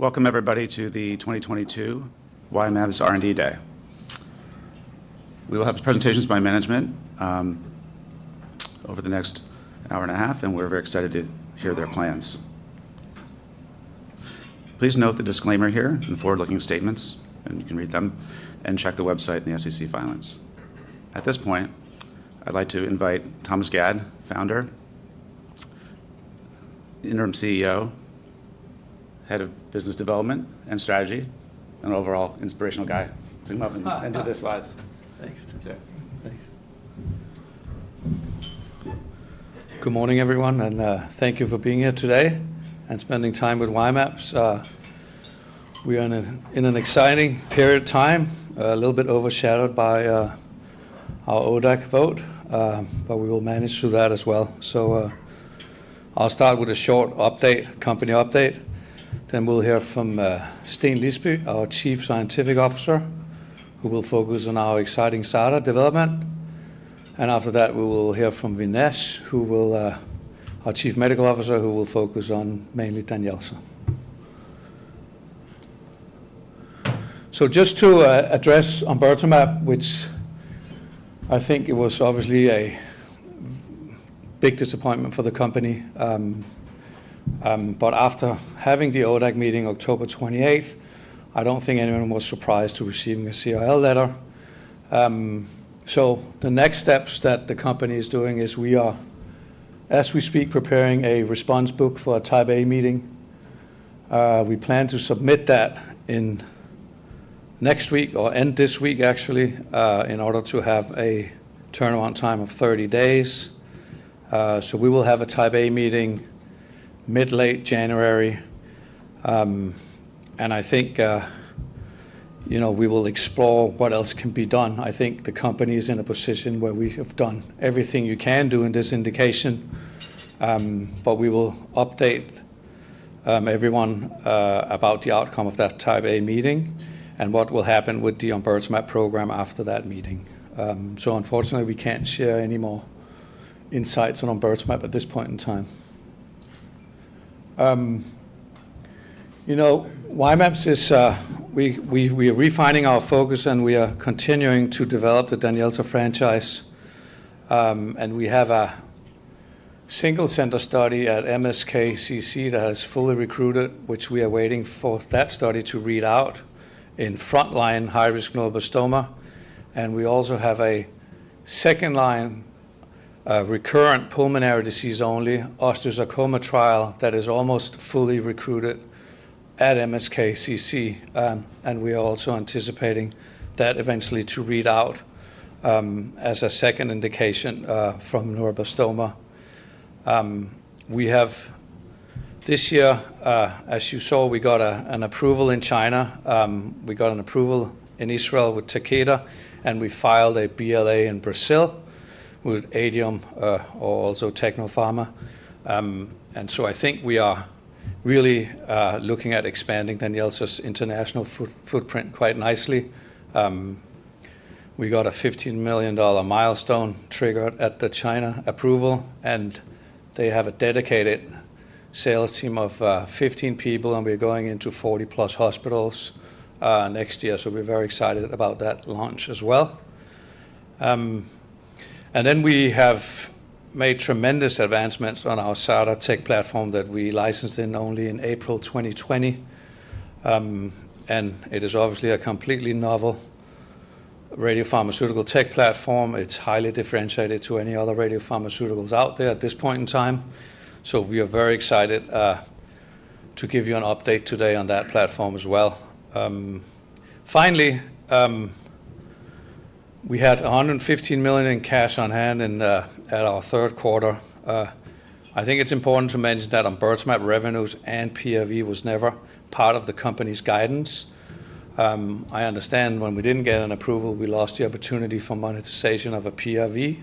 Welcome everybody to the 2022 Y-mAbs R&D Day. We will have presentations by management over the next hour and a half, and we're very excited to hear their plans. Please note the disclaimer here and the forward-looking statements, and you can read them and check the website and the SEC filings. At this point, I'd like to invite Thomas Gad, Founder, Interim CEO, Head of Business Development and Strategy, and overall inspirational guy to come up and do the slides. Thanks. Sure. Thanks. Good morning, everyone, and thank you for being here today and spending time with Y-mAbs. We are in an exciting period of time, a little bit overshadowed by our ODAC vote, but we will manage through that as well. I'll start with a short update, company update. We'll hear from Steen Lisby, our Chief Scientific Officer, who will focus on our exciting SADA development. After that, we will hear from Vignesh, our Chief Medical Officer, who will focus on mainly DANYELZA. Just to address omburtamab, which I think it was obviously a big disappointment for the company. After having the ODAC meeting October 28th, I don't think anyone was surprised to receiving a CRL letter. The next steps that the company is doing is we are, as we speak, preparing a response book for a Type A meeting. We plan to submit that in next week or end this week, actually, in order to have a turnaround time of 30 days. We will have a Type A meeting mid-late January. I think, you know, we will explore what else can be done. I think the company is in a position where we have done everything you can do in this indication, but we will update everyone about the outcome of that Type A meeting and what will happen with the omburtamab program after that meeting. Unfortunately, we can't share any more insights on omburtamab at this point in time. you know, Y-mAbs is, we're refining our focus, and we are continuing to develop the DANYELZA franchise. We have a single center study at MSKCC that is fully recruited, which we are waiting for that study to read out in front-line high-risk neuroblastoma. We also have a second line, recurrent pulmonary disease only osteosarcoma trial that is almost fully recruited at MSKCC. We are also anticipating that eventually to read out, as a second indication, from neuroblastoma. We have this year, as you saw, we got an approval in China. We got an approval in Israel with Takeda, and we filed a BLA in Brazil with Adium, or also Tecnofarma. I think we are really looking at expanding DANYELZA's international footprint quite nicely. We got a $15 million milestone trigger at the China approval. They have a dedicated sales team of 15 people, and we're going into 40-plus hospitals next year. We're very excited about that launch as well. We have made tremendous advancements on our SADA tech platform that we licensed in only in April 2020. It is obviously a completely novel radiopharmaceutical tech platform. It's highly differentiated to any other radiopharmaceuticals out there at this point in time. We are very excited, to give you an update today on that platform as well. Finally, we had $115 million in cash on hand at our Q3. I think it's important to mention that omburtamab revenues and PRV was never part of the company's guidance. I understand when we didn't get an approval, we lost the opportunity for monetization of a PRV,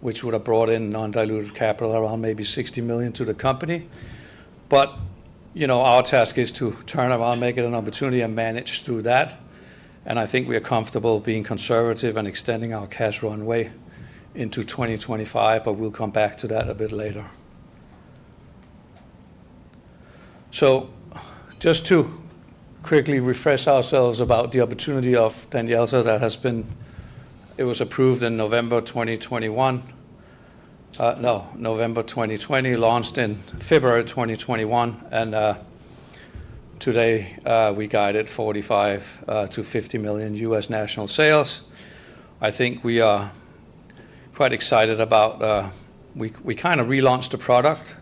which would have brought in non-dilutive capital around maybe $60 million to the company. You know, our task is to turn around, make it an opportunity, and manage through that. I think we are comfortable being conservative and extending our cash runway into 2025, but we'll come back to that a bit later. Just to quickly refresh ourselves about the opportunity of DANYELZA that has been. It was approved in November 2021. No, November 2020, launched in February 2021, and today, we guided $45 million-$50 million US national sales. I think we are quite excited about. We kind of relaunched the product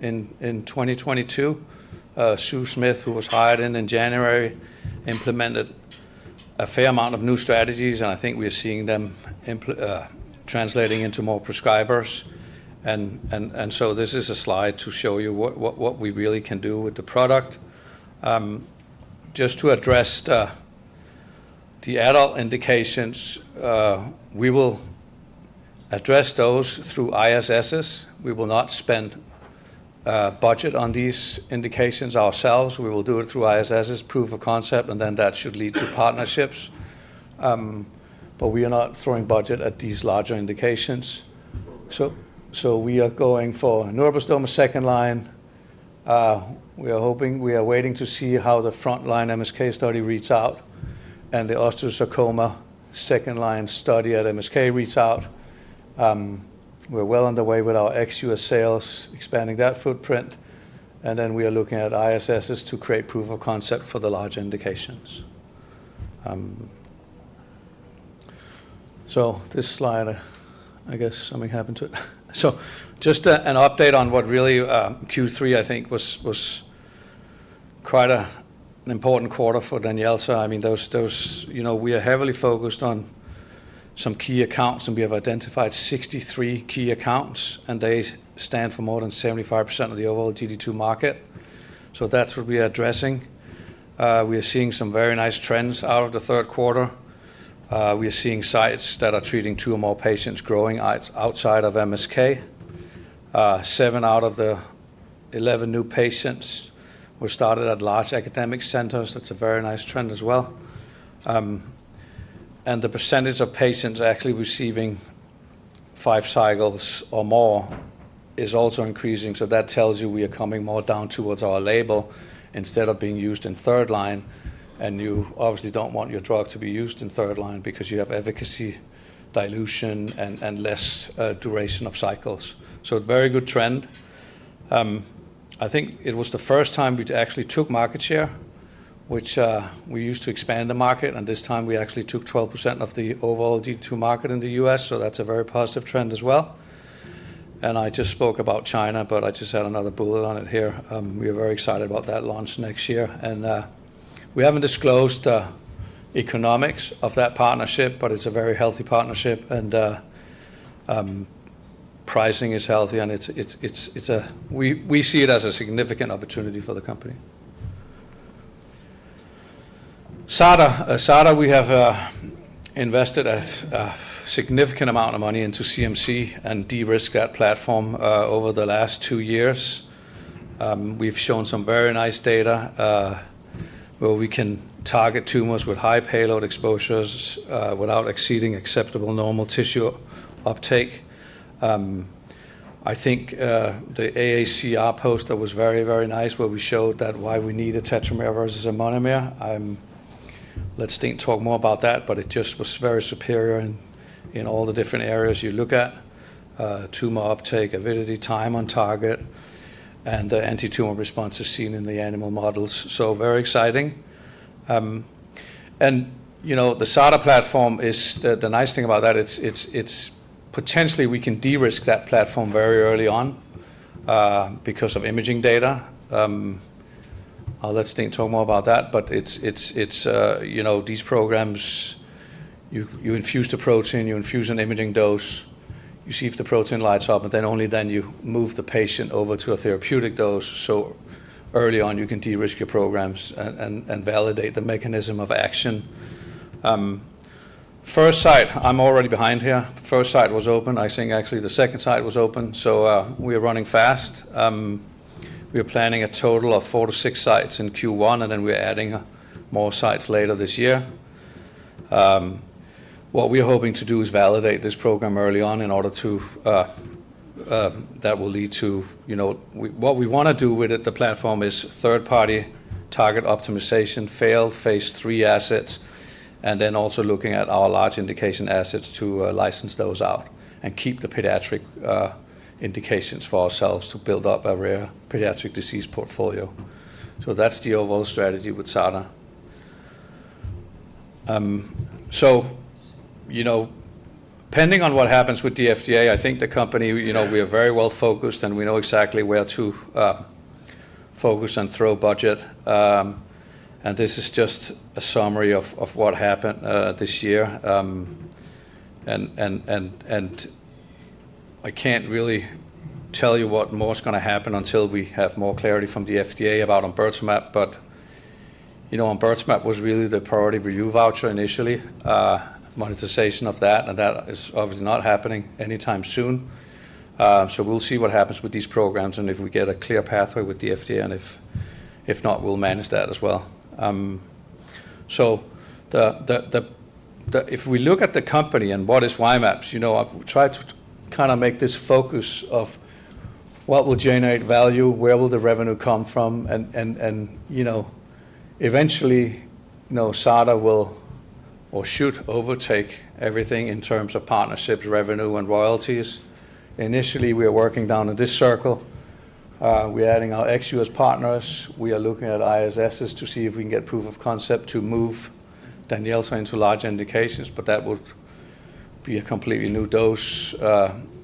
in 2022. Sue Smith, who was hired in January, implemented a fair amount of new strategies, and I think we're seeing them translating into more prescribers. This is a slide to show you what we really can do with the product. Just to address the adult indications, we will address those through ISS. We will not spend budget on these indications ourselves. We will do it through ISS's proof of concept, and then that should lead to partnerships. We are not throwing budget at these larger indications. We are going for neuroblastoma second line. We are hoping, we are waiting to see how the frontline MSK study reads out and the osteosarcoma second line study at MSK reads out. We're well on the way with our ex U.S. sales, expanding that footprint, and then we are looking at ISS's to create proof of concept for the large indications. This slide, I guess something happened to it. Just an update on what really Q3 I think was quite an important quarter for DANYELZA. I mean, those... You know, we are heavily focused on some key accounts, and we have identified 63 key accounts, and they stand for more than 75% of the overall GD2 market. That's what we're addressing. We are seeing some very nice trends out of the Q3. We are seeing sites that are treating two or more patients growing outside of MSK. Seven out of the 11 new patients were started at large academic centers. That's a very nice trend as well. The percentage of patients actually receiving five cycles or more is also increasing, so that tells you we are coming more down towards our label instead of being used in 3rd line. You obviously don't want your drug to be used in 3rd line because you have efficacy dilution and less duration of cycles. A very good trend. I think it was the first time we actually took market share, which we used to expand the market, and this time we actually took 12% of the overall GD2 market in the U.S. That's a very positive trend as well. I just spoke about China, but I just had another bullet on it here. We are very excited about that launch next year. We haven't disclosed economics of that partnership, but it's a very healthy partnership and pricing is healthy and it's a significant opportunity for the company. SADA. SADA, we have invested a significant amount of money into CMC and de-risk that platform over the last two years. We've shown some very nice data where we can target tumors with high payload exposures without exceeding acceptable normal tissue uptake. I think the AACR poster was very nice, where we showed that why we need a tetramer versus a monomer. Let Steen talk more about that, but it just was very superior in all the different areas you look at tumor uptake, avidity, time on target, and the antitumor response is seen in the animal models. Very exciting. You know, the SADA platform is the nice thing about that, it's, it's potentially we can de-risk that platform very early on because of imaging data. I'll let Steen talk more about that, but it's, it's, you know, these programs, you infuse the protein, you infuse an imaging dose, you see if the protein lights up, and then only then you move the patient over to a therapeutic dose. Early on, you can de-risk your programs and, and validate the mechanism of action. First site, I'm already behind here. First site was open. I think actually the second site was open. We are running fast. We are planning a total of four to six sites in Q1, and then we're adding more sites later this year. What we wanna do with the platform is third-party target optimization, failed phase III assets, and then also looking at our large indication assets to license those out and keep the pediatric indications for ourselves to build up a rare pediatric disease portfolio. That's the overall strategy with SADA. You know, depending on what happens with the FDA, I think the company, you know, we are very well-focused, and we know exactly where to focus and throw budget. This is just a summary of what happened this year. I can't really tell you what more is gonna happen until we have more clarity from the FDA about omburtamab. You know, omburtamab was really the priority review voucher initially. Monetization of that, and that is obviously not happening anytime soon. We'll see what happens with these programs and if we get a clear pathway with the FDA, and if not, we'll manage that as well. If we look at the company and what is Y-mAbs, you know, I've tried to kind of make this focus of what will generate value, where will the revenue come from, and, you know, eventually, you know, SADA will or should overtake everything in terms of partnerships, revenue, and royalties. Initially, we are working down in this circle. We're adding our ex U.S. partners. We are looking at ISS's to see if we can get proof of concept to move DANYELZA into large indications, but that would be a completely new dose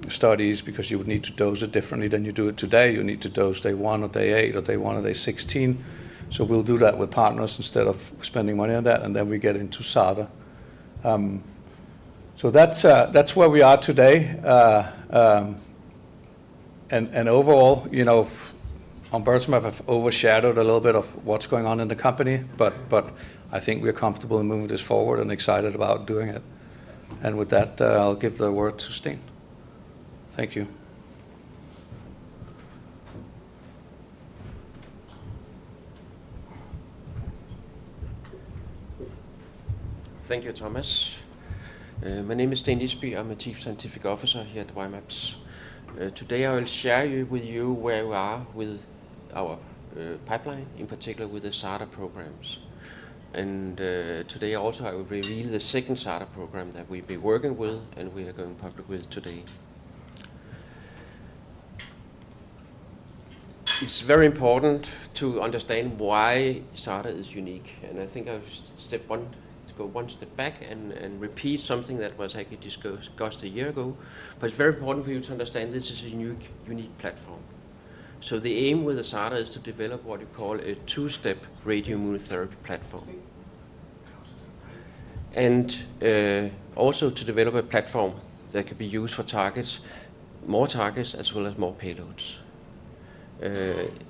studies because you would need to dose it differently than you do it today. You need to dose day one or day eight or day one or day 16. We'll do that with partners instead of spending money on that, and then we get into SADA. That's where we are today. And overall, you know, omburtamab have overshadowed a little bit of what's going on in the company, but I think we're comfortable in moving this forward and excited about doing it. With that, I'll give the word to Steen. Thank you. Thank you, Thomas. My name is Steen Lisby. I'm the Chief Scientific Officer here at Y-mAbs. Today I will share you with you where we are with our pipeline, in particular with the SADA programs. Today also I will reveal the second SADA program that we've been working with and we are going public with today. It's very important to understand why SADA is unique, and I think I've to go one step back and repeat something that was actually discussed a year ago. It's very important for you to understand this is a unique platform. The aim with the SADA is to develop what you call a two-step radioimmunotherapy platform. Also to develop a platform that could be used for targets, more targets, as well as more payloads.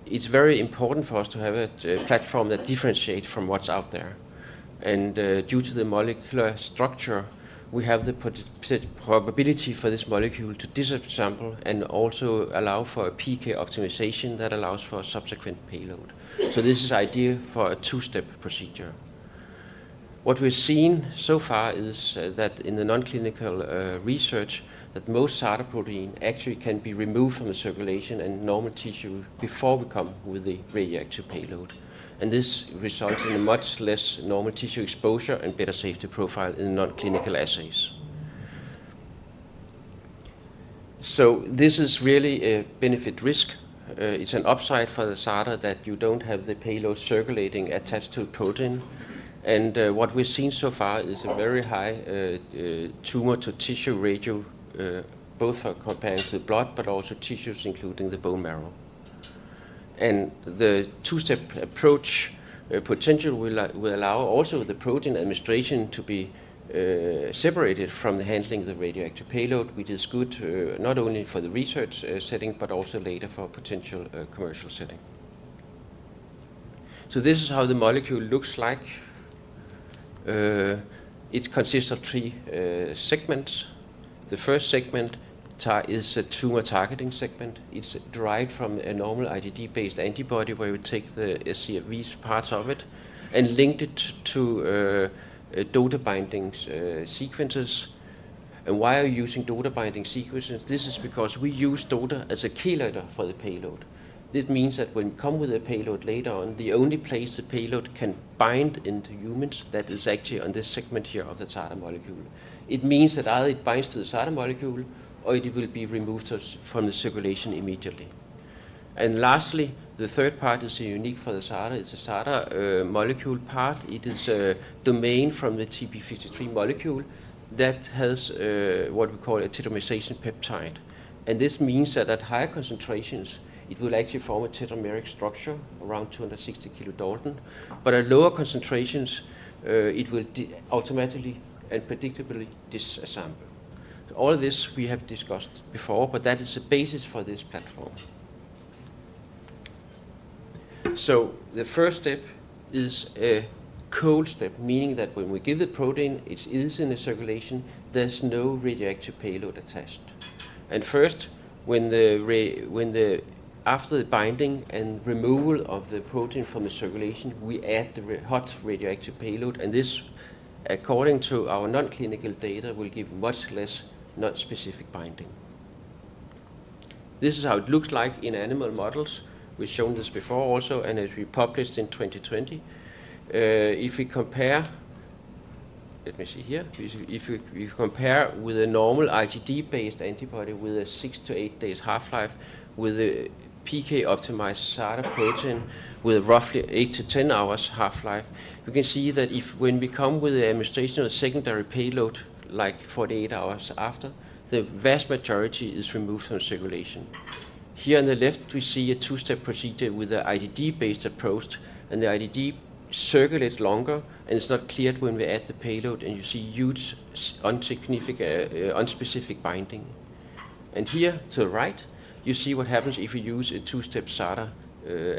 It's very important for us to have a platform that differentiate from what's out there. Due to the molecular structure, we have the probability for this molecule to disassemble and also allow for a PK optimization that allows for a subsequent payload. This is ideal for a two-step procedure. What we've seen so far is that in the non-clinical research, most SADA protein actually can be removed from the circulation in normal tissue before we come with the radioactive payload. This results in a much less normal tissue exposure and better safety profile in non-clinical assays. This is really a benefit risk. It's an upside for the SADA that you don't have the payload circulating attached to a protein. What we've seen so far is a very high tumor to tissue ratio, both for compared to blood, but also tissues, including the bone marrow. The two-step approach potentially will allow also the protein administration to be separated from the handling of the radioactive payload, which is good not only for the research setting, but also later for potential commercial setting. This is how the molecule looks like. It consists of three segments. The first segment is a tumor targeting segment. It's derived from a normal IgG-based antibody, where we take the Fc regions parts of it and linked it to a DOTA binding sequences. Why are you using DOTA binding sequences? This is because we use DOTA as a chelator for the payload. This means that when we come with a payload later on, the only place the payload can bind into humans, that is actually on this segment here of the SADA molecule. It means that either it binds to the SADA molecule or it will be removed from the circulation immediately. Lastly, the third part is unique for the SADA. It's a SADA molecule part. It is a domain from the TP53 molecule that has what we call a tetramerization peptide. This means that at higher concentrations, it will actually form a tetrameric structure around 260 kDa. At lower concentrations, it will automatically and predictably disassemble. All this we have discussed before, that is the basis for this platform. The first step is a cold step, meaning that when we give the protein, it is in a circulation, there's no radioactive payload attached. First, after the binding and removal of the protein from the circulation, we add the hot radioactive payload, and this, according to our non-clinical data, will give much less non-specific binding. This is how it looks like in animal models. We've shown this before also, and it'll be published in 2020. Let me see here. If we compare with a normal IgG-based antibody with a six-eight days half-life with a PK optimized SADA protein with a roughly 8-10 hours half-life, you can see that if when we come with the administration of secondary payload, like 48 hours after, the vast majority is removed from circulation. Here on the left, we see a two-step procedure with the IgG-based approach. The IgG circulates longer. It's not cleared when we add the payload. You see huge unspecific binding. Here to the right, you see what happens if you use a two-step SADA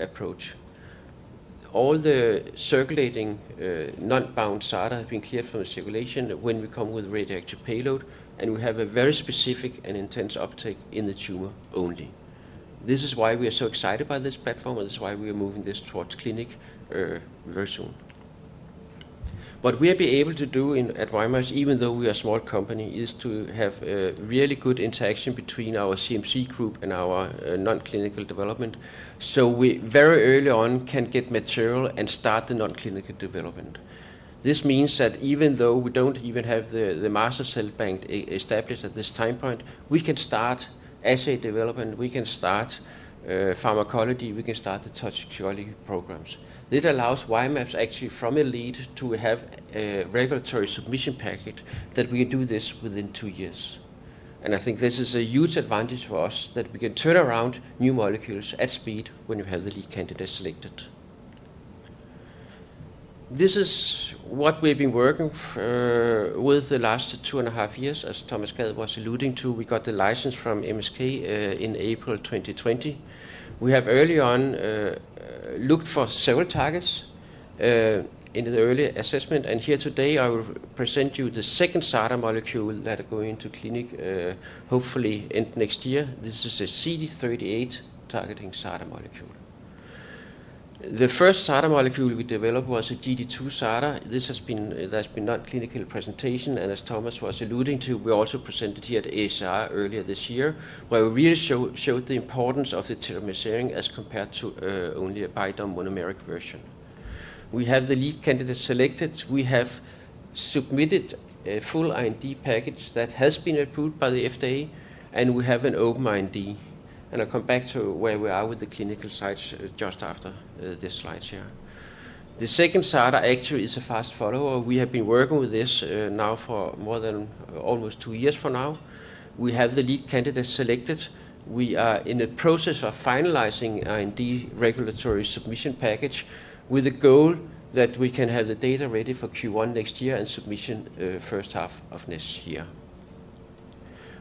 approach. All the circulating non-bound SADA has been cleared from the circulation when we come with radioactive payload, and we have a very specific and intense uptake in the tumor only. This is why we are so excited by this platform, and this is why we are moving this towards clinic very soon. What we have been able to do at Y-mAbs, even though we are a small company, is to have a really good interaction between our CMC group and our non-clinical development, so we very early on can get material and start the non-clinical development. This means that even though we don't even have the master cell bank established at this time point, we can start assay development, we can start pharmacology, we can start the toxicity programs. This allows Y-mAbs actually from a lead to have a regulatory submission packet that we can do this within two years. I think this is a huge advantage for us that we can turn around new molecules at speed when you have the lead candidate selected. This is what we've been working with the last two and a half years, as Thomas Gad was alluding to. We got the license from MSK in April 2020. We have early on looked for several targets in the early assessment, here today, I will present you the second SADA molecule that are going into clinic hopefully end next year. This is a CD38-targeting SADA molecule. The first SADA molecule we developed was a GD2 SADA. That's been non-clinical presentation, as Thomas was alluding to, we also presented here at ASR earlier this year, where we really showed the importance of the tethered bispecific as compared to only a bivalent monomeric version. We have the lead candidate selected. We have submitted a full IND package that has been approved by the FDA, we have an open IND. I'll come back to where we are with the clinical sites just after this slide share. The second SADA actually is a fast follower. We have been working with this now for more than almost two years from now. We have the lead candidate selected. We are in the process of finalizing IND regulatory submission package with a goal that we can have the data ready for Q1 next year and submission H1 of next year.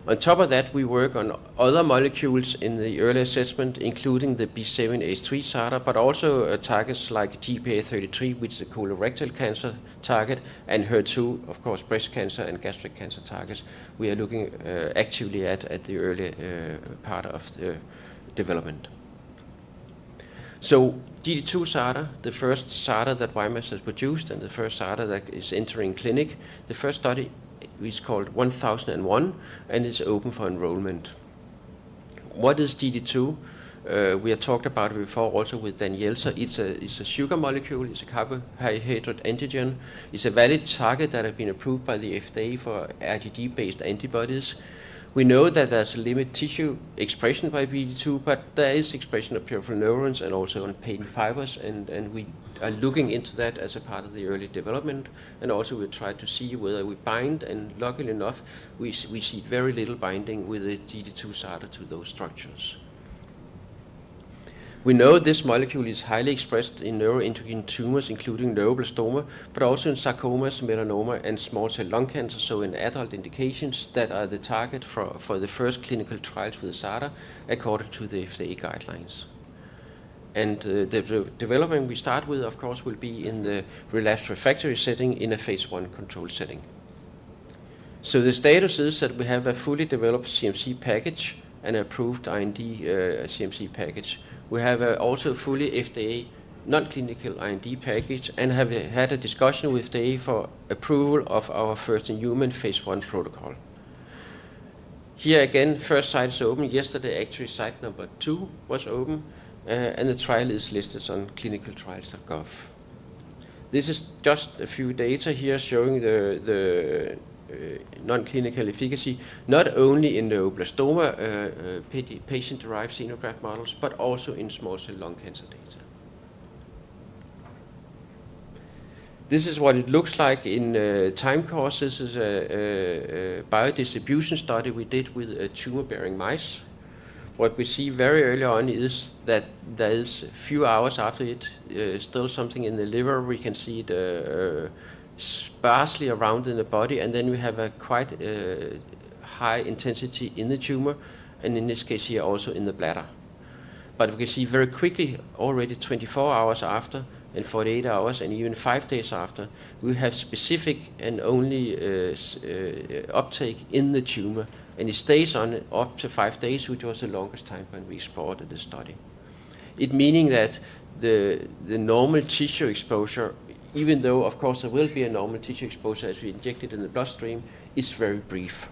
On top of that, we work on other molecules in the early assessment, including the B7H3 SADA, but also targets like GPA33, which is a colorectal cancer target, and HER2, of course, breast cancer and gastric cancer targets we are looking actively at the early part of the development. GD2-SADA, the first SADA that Y-mAbs has produced and the first SADA that is entering clinic, the first study is called Trial 1001, and it's open for enrollment. What is GD2? We have talked about it before also with DANYELZA. It's a sugar molecule. It's a carbohydrate antigen. It's a valid target that have been approved by the FDA for RGD-based antibodies. We know that there's limited tissue expression by GD2, but there is expression of peripheral neurons and also on pain fibers, and we are looking into that as a part of the early development. Also we try to see whether we bind, and luckily enough we see very little binding with the GD2 SADA to those structures. We know this molecule is highly expressed in neuroendocrine tumors, including neuroblastoma, but also in sarcomas, melanoma, and small cell lung cancer. In adult indications that are the target for the first clinical trials with SADA according to the FDA guidelines. The development we start with of course will be in the relapsed refractory setting in a phase I controlled setting. The status is that we have a fully developed CMC package, an approved IND, CMC package. We have also fully FDA non-clinical IND package and have had a discussion with FDA for approval of our first human phase I protocol. Here again, first site is open yesterday. Actually site number two was open, and the trial is listed on clinicaltrials.gov. This is just a few data here showing the non-clinical efficacy, not only in neuroblastoma patient-derived xenograft models, but also in small cell lung cancer data. This is what it looks like in time course. This is a biodistribution study we did with tumor-bearing mice. What we see very early on is that there is a few hours after it, still something in the liver. We can see the sparsely around in the body. We have a quite high intensity in the tumor, and in this case here also in the bladder. We can see very quickly already 24 hours after and 48 hours and even five days after, we have specific and only uptake in the tumor. It stays on up to five days, which was the longest time when we supported the study. It meaning that the normal tissue exposure, even though of course there will be a normal tissue exposure as we inject it in the bloodstream, it's very brief.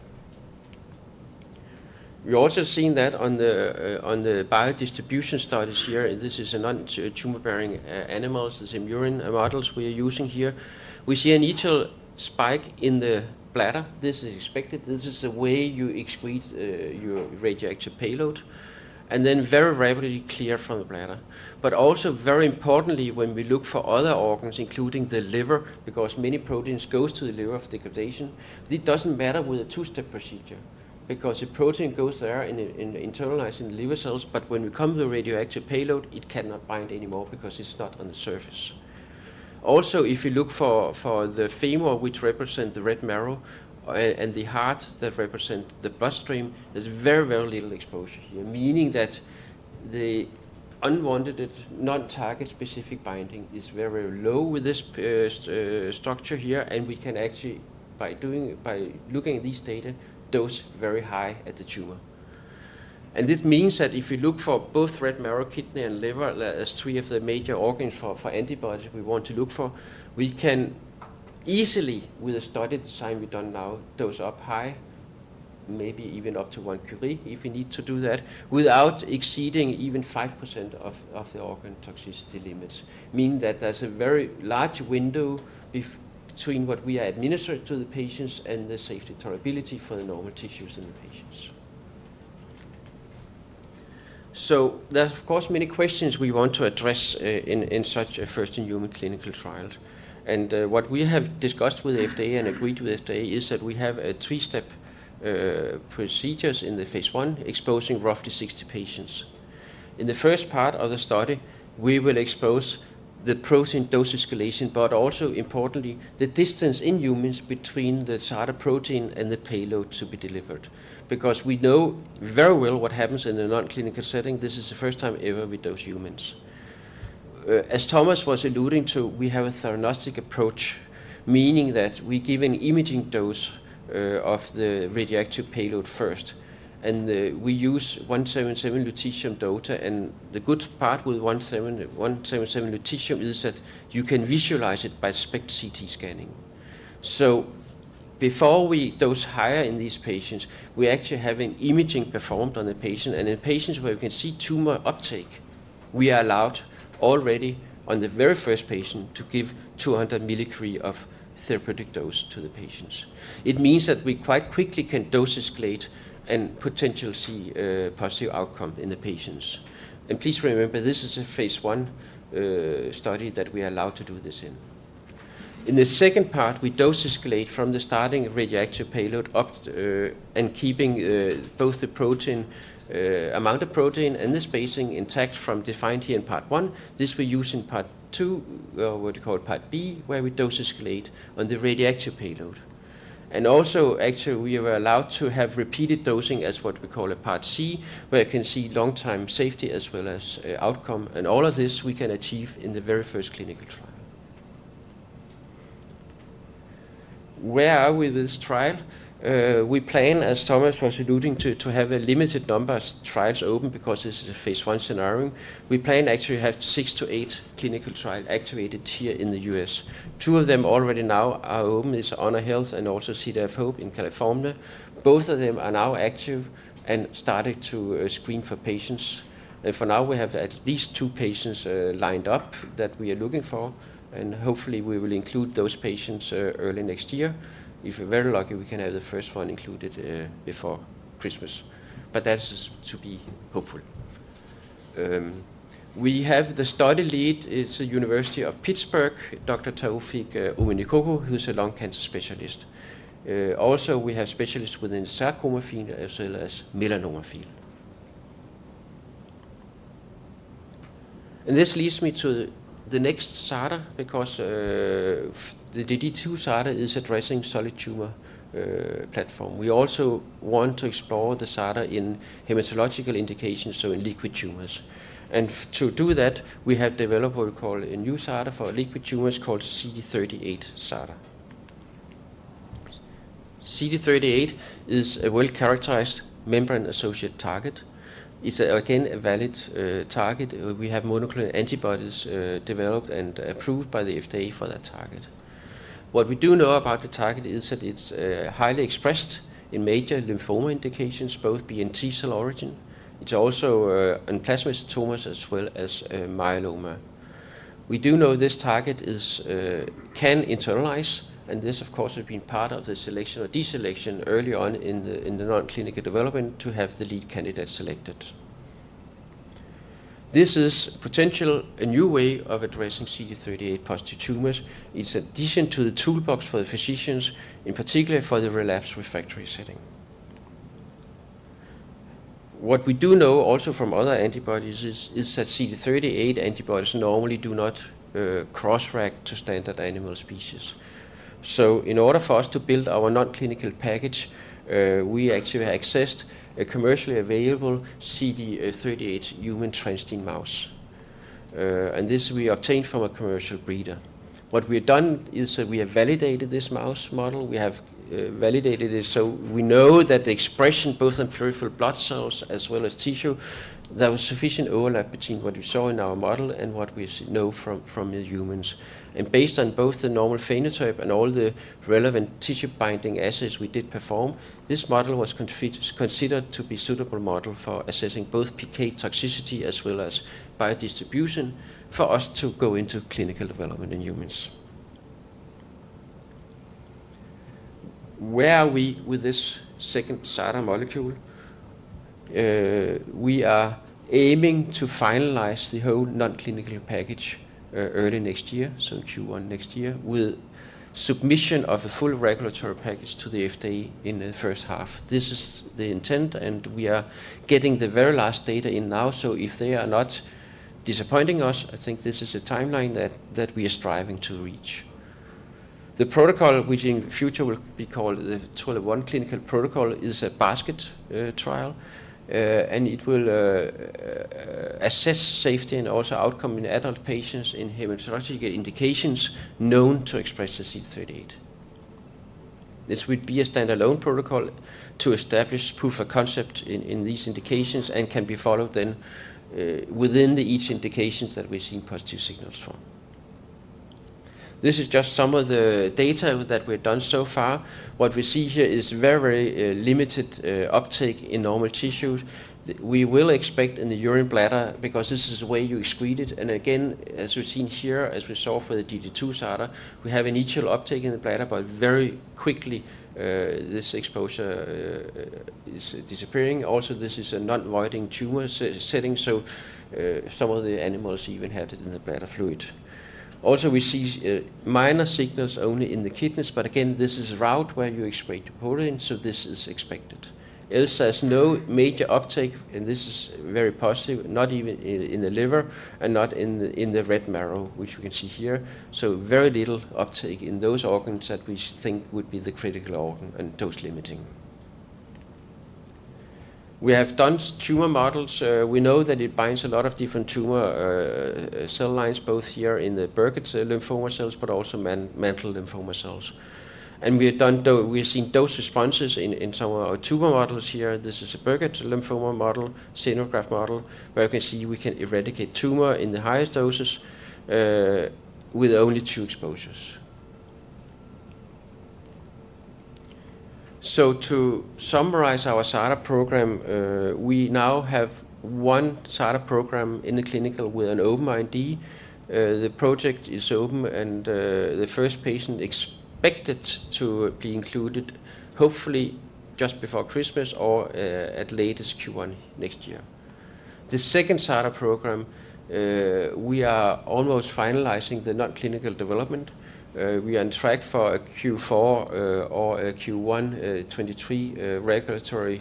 We also seen that on the biodistribution studies here. This is a non-tumor-bearing animals. This is murine models we are using here. We see an initial spike in the bladder. This is expected. This is the way you excrete your radioactive payload, and then very rapidly clear from the bladder. Also very importantly, when we look for other organs, including the liver, because many proteins goes to the liver of degradation, it doesn't matter with a two-step procedure because the protein goes there internalizing the liver cells. When we come to the radioactive payload, it cannot bind anymore because it's not on the surface. Also, if you look for the femur, which represent the red marrow, and the heart that represent the bloodstream, there's very little exposure here, meaning that the unwanted, non-target specific binding is very low with this structure here. We can actually, by doing... by looking at this data, dose very high at the tumor. This means that if we look for both red marrow, kidney, and liver as three of the major organs for antibodies we want to look for, we can easily with a study design we've done now, dose up high, maybe even up to 1 curie if we need to do that, without exceeding even 5% of the organ toxicity limits, meaning that there's a very large window between what we administer to the patients and the safety tolerability for the normal tissues in the patients. There are, of course, many questions we want to address in such a first in human clinical trial. What we have discussed with FDA and agreed with FDA is that we have a three-step procedures in the phase I, exposing roughly 60 patients. In the first part of the study, we will expose the protein dose escalation, but also importantly the distance in humans between the SADA protein and the payload to be delivered. Because we know very well what happens in a non-clinical setting. This is the first time ever with those humans. As Thomas was alluding to, we have a theranostic approach. Meaning that we give an imaging dose of the radioactive payload first, and we use 177 lutetium DOTA. The good part with 177 lutetium is that you can visualize it by SPECT/CT scanning. Before we dose higher in these patients, we actually have an imaging performed on the patient. In patients where we can see tumor uptake, we are allowed already on the very first patient to give 200 millicurie of therapeutic dose to the patients. It means that we quite quickly can dose escalate and potentially see a positive outcome in the patients. Please remember, this is a phase I study that we are allowed to do this in. In the second part, we dose escalate from the starting radioactive payload up, and keeping both the protein amount of protein and the spacing intact from defined here in part one. This we use in part two, what you call part B, where we dose escalate on the radioactive payload. Also actually, we were allowed to have repeated dosing as what we call a part C, where we can see long-term safety as well as outcome. All of this we can achieve in the very first clinical trial. Where are we with this trial? We plan, as Thomas was alluding to have a limited number of trials open because this is a phase I scenario. We plan actually to have six to eight clinical trial activated here in the U.S. two of them already now are open, is HonorHealth and also City of Hope in California. Both of them are now active and starting to screen for patients. For now we have at least two patients lined up that we are looking for, and hopefully we will include those patients early next year. If we're very lucky, we can have the first one included before Christmas. That's to be hopeful. We have the study lead. It's the University of Pittsburgh, Dr. Taofeek Owonikoko, who's a lung cancer specialist. Also we have specialists within sarcoma field as well as melanoma field. This leads me to the next SADA because the GD2-SADA is addressing solid tumor platform. We also want to explore the SADA in hematological indications, so in liquid tumors. To do that, we have developed what we call a new SADA for liquid tumors called CD38-SADA. CD38 is a well-characterized membrane associated target. It's again, a valid target. We have monoclonal antibodies developed and approved by the FDA for that target. What we do know about the target is that it's highly expressed in major lymphoma indications, both B and T cell origin. It's also in plasmacytomas as well as myeloma. We do know this target is can internalize, and this of course, has been part of the selection or deselection early on in the non-clinical development to have the lead candidate selected. This is potential a new way of addressing CD38 positive tumors. It's addition to the toolbox for the physicians, in particular for the relapsed refractory setting. What we do know also from other antibodies is that CD38 antibodies normally do not cross-react to standard animal species. In order for us to build our non-clinical package, we actually accessed a commercially available CD38 human transgenic mouse. This we obtained from a commercial breeder. What we have done is that we have validated this mouse model. We have validated it so we know that the expression both on peripheral blood cells as well as tissue, there was sufficient overlap between what we saw in our model and what we know from the humans. Based on both the normal phenotype and all the relevant tissue binding assays we did perform, this model was considered to be suitable model for assessing both PK toxicity as well as biodistribution for us to go into clinical development in humans. Where are we with this second SADA molecule? We are aiming to finalize the whole non-clinical package early next year, so Q1 next year, with submission of a full regulatory package to the FDA in the H1. This is the intent, we are getting the very last data in now. If they are not disappointing us, I think this is a timeline that we are striving to reach. The protocol, which in future will be called the TWILIGHT 1 clinical protocol, is a basket trial. It will assess safety and also outcome in adult patients in hematological indications known to express the CD38. This would be a standalone protocol to establish proof of concept in these indications and can be followed then within each indications that we've seen positive signals from. This is just some of the data that we've done so far. What we see here is very limited uptake in normal tissues. We will expect in the urine bladder because this is the way you excrete it. Again, as we've seen here, as we saw for the GD2-SADA, we have an initial uptake in the bladder, but very quickly this exposure is disappearing. Also, this is a non-voiding tumor setting, so some of the animals even had it in the bladder fluid. Also, we see minor signals only in the kidneys, but again, this is a route where you excrete protein, so this is expected. Else there's no major uptake, and this is very positive, not even in the liver and not in the red marrow, which we can see here. Very little uptake in those organs that we think would be the critical organ and dose limiting. We have done tumor models. We know that it binds a lot of different tumor cell lines, both here in the Burkitt's lymphoma cells, but also mantle lymphoma cells. We have seen dose responses in some of our tumor models here. This is a Burkitt lymphoma model, xenograft model, where you can see we can eradicate tumor in the highest doses with only two exposures. To summarize our SADA program, we now have one SADA program in the clinical with an open ID. The project is open and the first patient expected to be included, hopefully just before Christmas or at latest Q1 next year. The second SADA program, we are almost finalizing the non-clinical development. We are on track for a Q4 or a Q1 2023 regulatory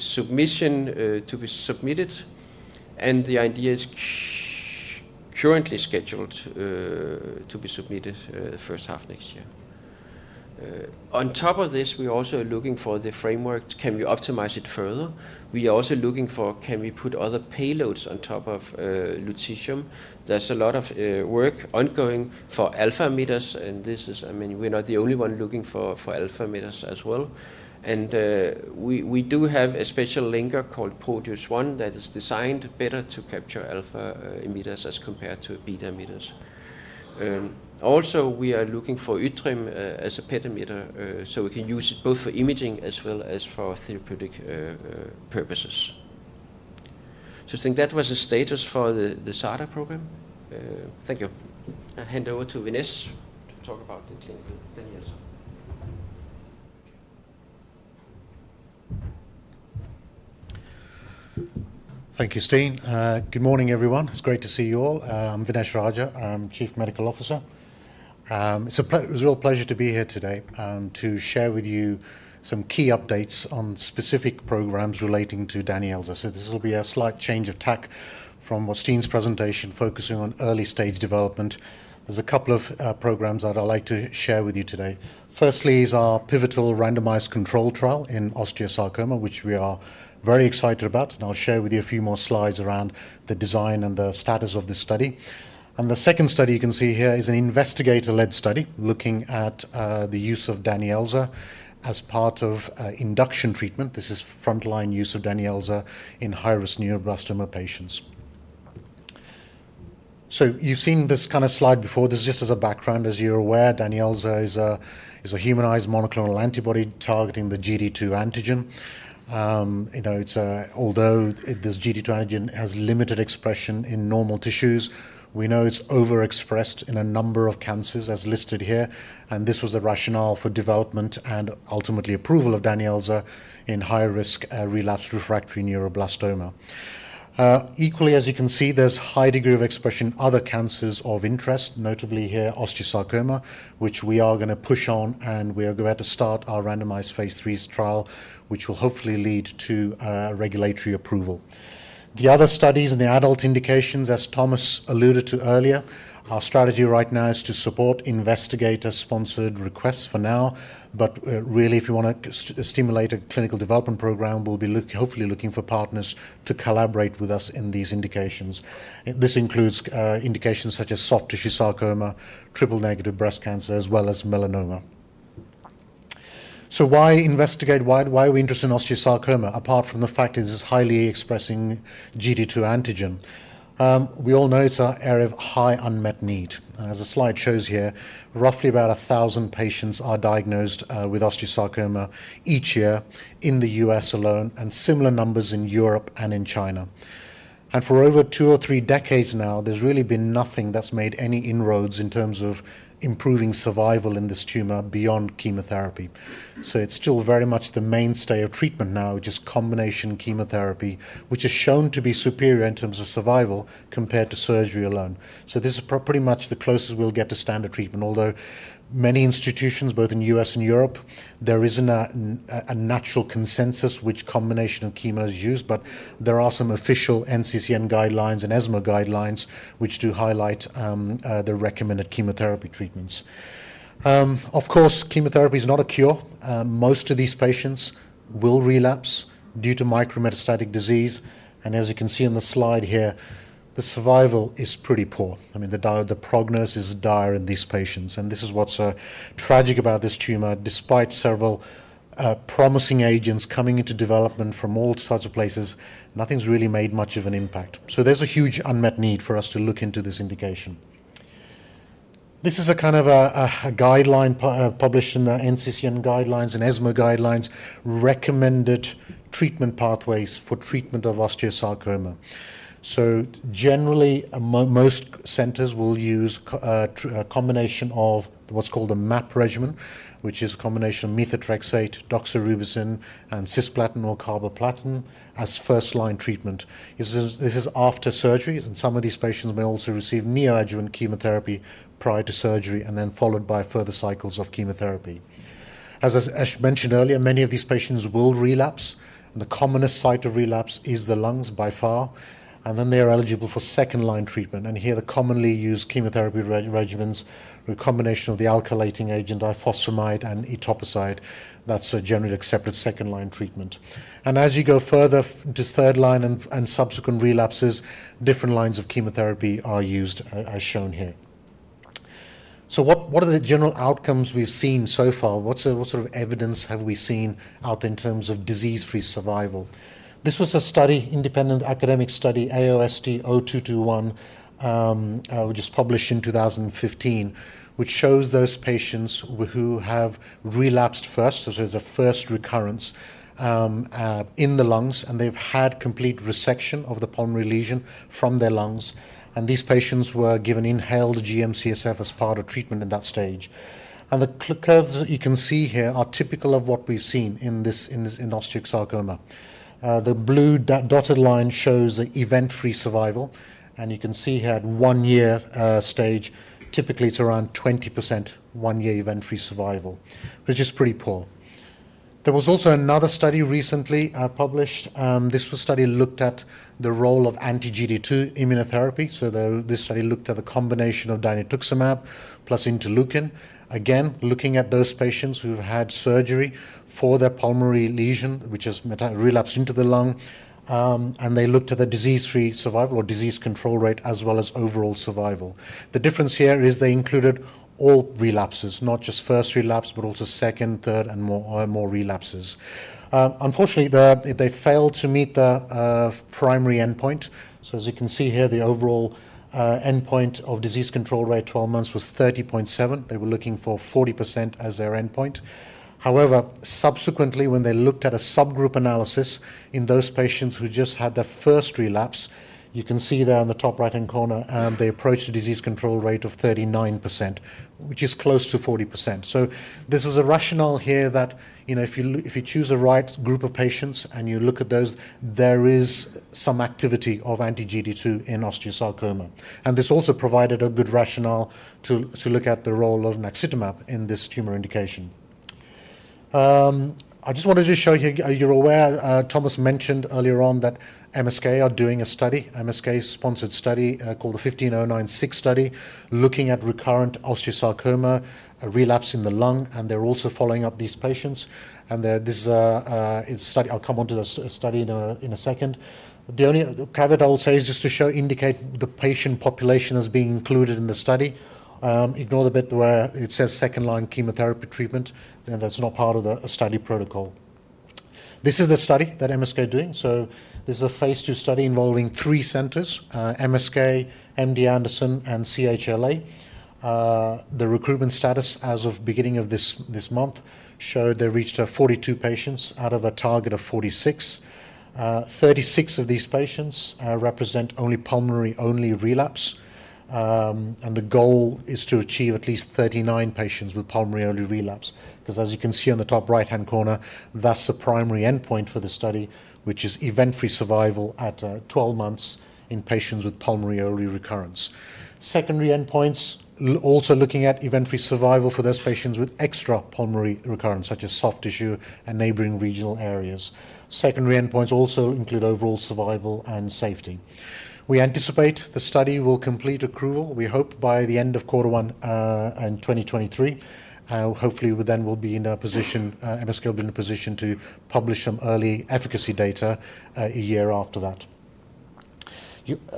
submission to be submitted, and the idea is currently scheduled to be submitted the H1 next year. On top of this, we're also looking for the framework. Can we optimize it further? We are also looking for, can we put other payloads on top of lutetium? There's a lot of work ongoing for alpha emitters, and this is... I mean, we're not the only one looking for alpha emitters as well. We do have a special linker called PROTEUS-1 that is designed better to capture alpha emitters as compared to beta emitters. We are looking for yttrium as a beta emitter, so we can use it both for imaging as well as for therapeutic purposes. I think that was the status for the SADA program. Thank you. I hand over to Vignesh to talk about the clinical DANYELZA. Thank you, Steen. Good morning, everyone. It's great to see you all. I'm Vignesh Rajah. I'm Chief Medical Officer. It's a real pleasure to be here today, to share with you some key updates on specific programs relating to DANYELZA. This will be a slight change of tack from what Steen's presentation focusing on early-stage development. There's a couple of programs that I'd like to share with you today. Firstly is our pivotal randomized control trial in osteosarcoma, which we are very excited about, and I'll share with you a few more slides around the design and the status of this study. The second study you can see here is an investigator-led study looking at the use of DANYELZA as part of induction treatment. This is frontline use of DANYELZA in high-risk neuroblastoma patients. you've seen this kind of slide before. This is just as a background. As you're aware, DANYELZA is a humanized monoclonal antibody targeting the GD2 antigen. you know, although this GD2 antigen has limited expression in normal tissues, we know it's overexpressed in a number of cancers as listed here, and this was the rationale for development and ultimately approval of DANYELZA in high risk, relapsed refractory neuroblastoma. equally, as you can see, there's high degree of expression in other cancers of interest, notably here osteosarcoma, which we are gonna push on, and we are about to start our randomized phase III trial, which will hopefully lead to regulatory approval. The other studies in the adult indications, as Thomas alluded to earlier, our strategy right now is to support investigator-sponsored requests for now, really, if we wanna stimulate a clinical development program, we'll be hopefully looking for partners to collaborate with us in these indications. This includes indications such as soft tissue sarcoma, triple-negative breast cancer, as well as melanoma. Why investigate? Why are we interested in osteosarcoma, apart from the fact that it is highly expressing GD2 antigen? We all know it's an area of high unmet need, and as the slide shows here, roughly about 1,000 patients are diagnosed with osteosarcoma each year in the US alone, and similar numbers in Europe and in China. For over two or three decades now, there's really been nothing that's made any inroads in terms of improving survival in this tumor beyond chemotherapy. It's still very much the mainstay of treatment now, which is combination chemotherapy, which is shown to be superior in terms of survival compared to surgery alone. This is pretty much the closest we'll get to standard treatment. Although many institutions, both in the U.S. and Europe, there isn't a natural consensus which combination of chemo is used, but there are some official NCCN guidelines and ESMO guidelines which do highlight the recommended chemotherapy treatments. Of course, chemotherapy is not a cure. Most of these patients will relapse due to micrometastatic disease, and as you can see on the slide here, the survival is pretty poor. I mean, the prognosis is dire in these patients, and this is what's tragic about this tumor. Despite several promising agents coming into development from all sorts of places, nothing's really made much of an impact. There's a huge unmet need for us to look into this indication. This is a kind of a guideline published in the NCCN guidelines and ESMO guidelines, recommended treatment pathways for treatment of osteosarcoma. Generally, most centers will use a combination of what's called a MAP regimen, which is a combination of methotrexate, doxorubicin, and cisplatin or carboplatin as first-line treatment. This is after surgery. Some of these patients may also receive neoadjuvant chemotherapy prior to surgery, followed by further cycles of chemotherapy. As I mentioned earlier, many of these patients will relapse, and the commonest site of relapse is the lungs by far, and then they are eligible for second-line treatment. Here, the commonly used chemotherapy regimens are a combination of the alkylating agent ifosfamide and etoposide. That's a generally accepted second-line treatment. As you go further to third line and subsequent relapses, different lines of chemotherapy are used, are shown here. What are the general outcomes we've seen so far? What sort of evidence have we seen out in terms of disease-free survival? This was a study, independent academic study, AOST0221, which was published in 2015, which shows those patients who have relapsed first, so there's a first recurrence, in the lungs, and they've had complete resection of the pulmonary lesion from their lungs. These patients were given inhaled GM-CSF as part of treatment at that stage. The curves that you can see here are typical of what we've seen in this, in this, in osteosarcoma. The blue dotted line shows the event-free survival, and you can see here at 1 year, stage, typically it's around 20% one year event-free survival, which is pretty poor. There was also another study recently, published. This study looked at the role of anti-GD2 immunotherapy. This study looked at the combination of dinutuximab plus interleukin. Again, looking at those patients who had surgery for their pulmonary lesion, which has relapsed into the lung, and they looked at the disease-free survival or disease control rate as well as overall survival. The difference here is they included all relapses, not just first relapse, but also second, third, and more relapses. Unfortunately, they failed to meet the primary endpoint. As you can see here, the overall endpoint of disease control rate at 12 months was 30.7%. They were looking for 40% as their endpoint. Subsequently, when they looked at a subgroup analysis in those patients who just had their first relapse, you can see there on the top right-hand corner, they approached a disease control rate of 39%, which is close to 40%. This was a rationale here that, you know, if you choose the right group of patients and you look at those, there is some activity of anti-GD2 in osteosarcoma. This also provided a good rationale to look at the role of naxitamab in this tumor indication. I just wanted to show you're aware, Thomas mentioned earlier on that MSK are doing a study, MSK's sponsored study, called the 15096 study, looking at recurrent osteosarcoma, a relapse in the lung, and they're also following up these patients. This is, it's study I'll come on to the study in a second. The only caveat I'll say is just to indicate the patient population that's being included in the study. Ignore the bit where it says second-line chemotherapy treatment. That's not part of the study protocol. This is the study that MSK are doing. This is a phase II study involving three centers, MSK, MD Anderson, and CHLA. The recruitment status as of beginning of this month showed they reached 42 patients out of a target of 46. 36 of these patients represent only pulmonary-only relapse. The goal is to achieve at least 39 patients with pulmonary-only relapse, 'cause as you can see on the top right-hand corner, that's the primary endpoint for the study, which is event-free survival at 12 months in patients with pulmonary-only recurrence. Secondary endpoints, also looking at event-free survival for those patients with extra-pulmonary recurrence, such as soft tissue and neighboring regional areas. Secondary endpoints also include overall survival and safety. We anticipate the study will complete accrual, we hope by the end of quarter one in 2023. Hopefully, we then will be in a position, MSK will be in a position to publish some early efficacy data a year after that.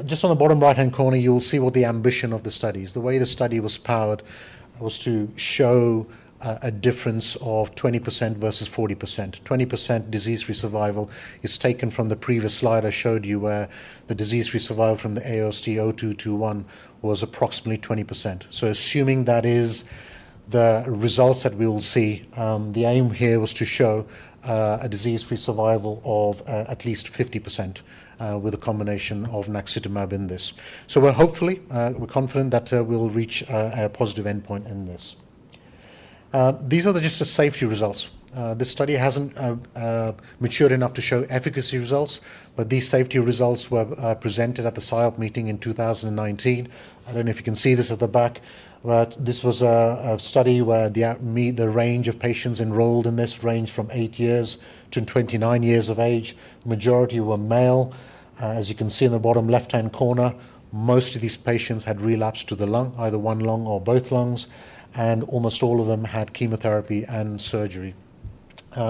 Just on the bottom right-hand corner, you'll see what the ambition of the study is. The way the study was powered was to show a difference of 20% versus 40%. 20% disease-free survival is taken from the previous slide I showed you, where the disease-free survival from the AOST0221 was approximately 20%. Assuming that is the results that we will see, the aim here was to show a disease-free survival of at least 50% with a combination of naxitamab in this. We're hopefully, we're confident that we'll reach a positive endpoint in this. These are just the safety results. This study hasn't matured enough to show efficacy results, but these safety results were presented at the SIOP meeting in 2019. I don't know if you can see this at the back, but this was a study where the range of patients enrolled in this range from eight years to 29 years of age. Majority were male. As you can see in the bottom left-hand corner, most of these patients had relapsed to the lung, either one lung or both lungs, and almost all of them had chemotherapy and surgery.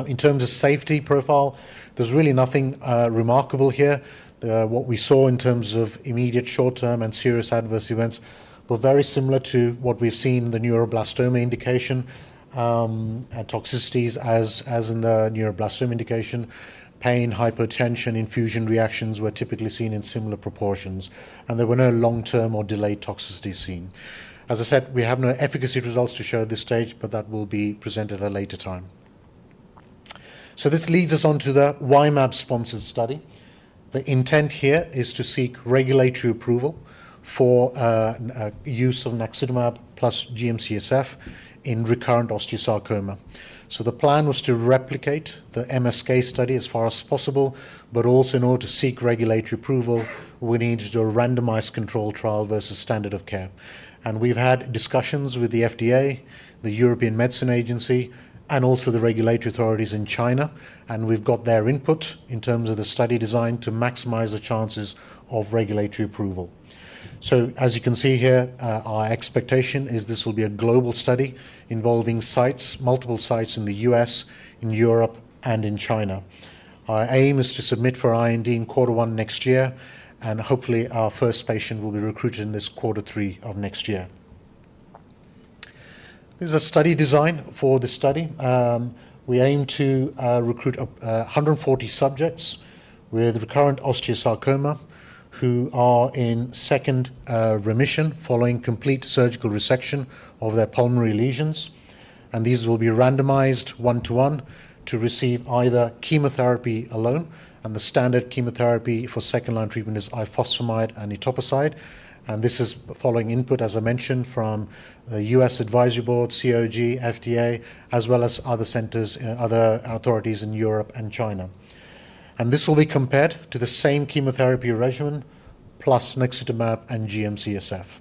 In terms of safety profile, there's really nothing remarkable here. What we saw in terms of immediate short-term and serious adverse events were very similar to what we've seen in the neuroblastoma indication. Toxicities as in the neuroblastoma indication, pain, hypotension, infusion reactions were typically seen in similar proportions, and there were no long-term or delayed toxicities seen. As I said, we have no efficacy results to show at this stage, but that will be presented at a later time. This leads us on to the Y-mAbs sponsored study. The intent here is to seek regulatory approval for use of naxitamab plus GM-CSF in recurrent osteosarcoma. The plan was to replicate the MSK study as far as possible, but also in order to seek regulatory approval, we needed a randomized control trial versus standard of care. We've had discussions with the FDA, the European Medicines Agency, and also the regulatory authorities in China, and we've got their input in terms of the study design to maximize the chances of regulatory approval. As you can see here, our expectation is this will be a global study involving sites, multiple sites in the US, in Europe, and in China. Our aim is to submit for IND in Q1 next year, and hopefully, our first patient will be recruited in this Q3 of next year. This is a study design for the study. We aim to recruit 140 subjects with recurrent osteosarcoma who are in second remission following complete surgical resection of their pulmonary lesions. These will be randomized 1-to-1 to receive either chemotherapy alone, and the standard chemotherapy for second-line treatment is ifosfamide and etoposide. This is following input, as I mentioned, from the US Advisory Board, COG, FDA, as well as other centers, other authorities in Europe and China. This will be compared to the same chemotherapy regimen plus naxitamab and GM-CSF.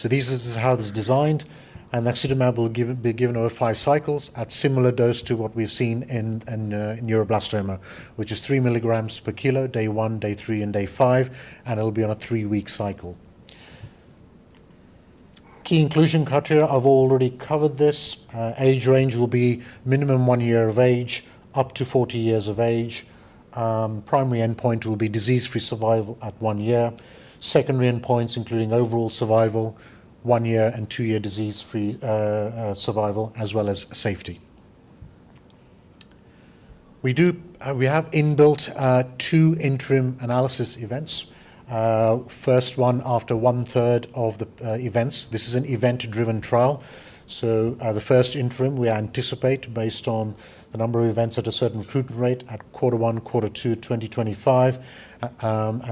This is how this is designed, naxitamab will be given over five cycles at similar dose to what we've seen in neuroblastoma, which is 3 mg per kilo, day one, day three, and day five, and it'll be on a three-week cycle. Key inclusion criteria, I've already covered this. Age range will be minimum one year of age up to 40 years of age. Primary endpoint will be disease-free survival at one year. Secondary endpoints, including overall survival, one year and two-year disease-free survival, as well as safety. We have inbuilt two interim analysis events. First one after one-third of the events. This is an event-driven trial. The first interim we anticipate based on the number of events at a certain recruitment rate at Q1, Q2 2025.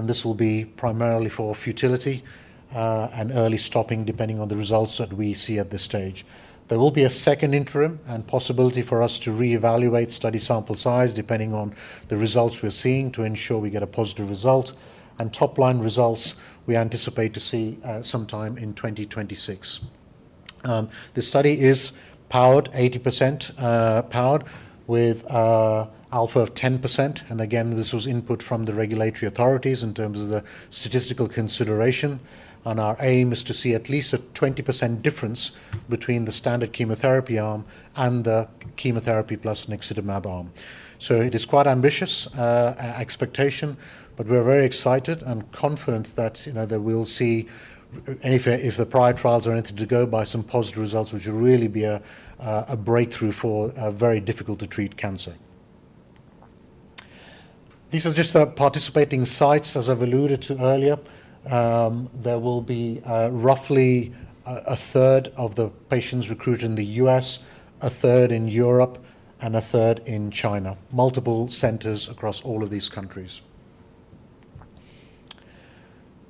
This will be primarily for futility and early stopping depending on the results that we see at this stage. There will be a second interim and possibility for us to reevaluate study sample size depending on the results we're seeing to ensure we get a positive result, and top-line results we anticipate to see sometime in 2026. The study is powered 80%, powered with alpha of 10%. Again, this was input from the regulatory authorities in terms of the statistical consideration. Our aim is to see at least a 20% difference between the standard chemotherapy arm and the chemotherapy plus naxitamab arm. It is quite ambitious expectation, but we're very excited and confident that, you know, we'll see if the prior trials are anything to go by some positive results, which will really be a breakthrough for a very difficult-to-treat cancer. This is just the participating sites, as I've alluded to earlier. There will be roughly a third of the patients recruited in the U.S., a third in Europe, and a third in China. Multiple centers across all of these countries.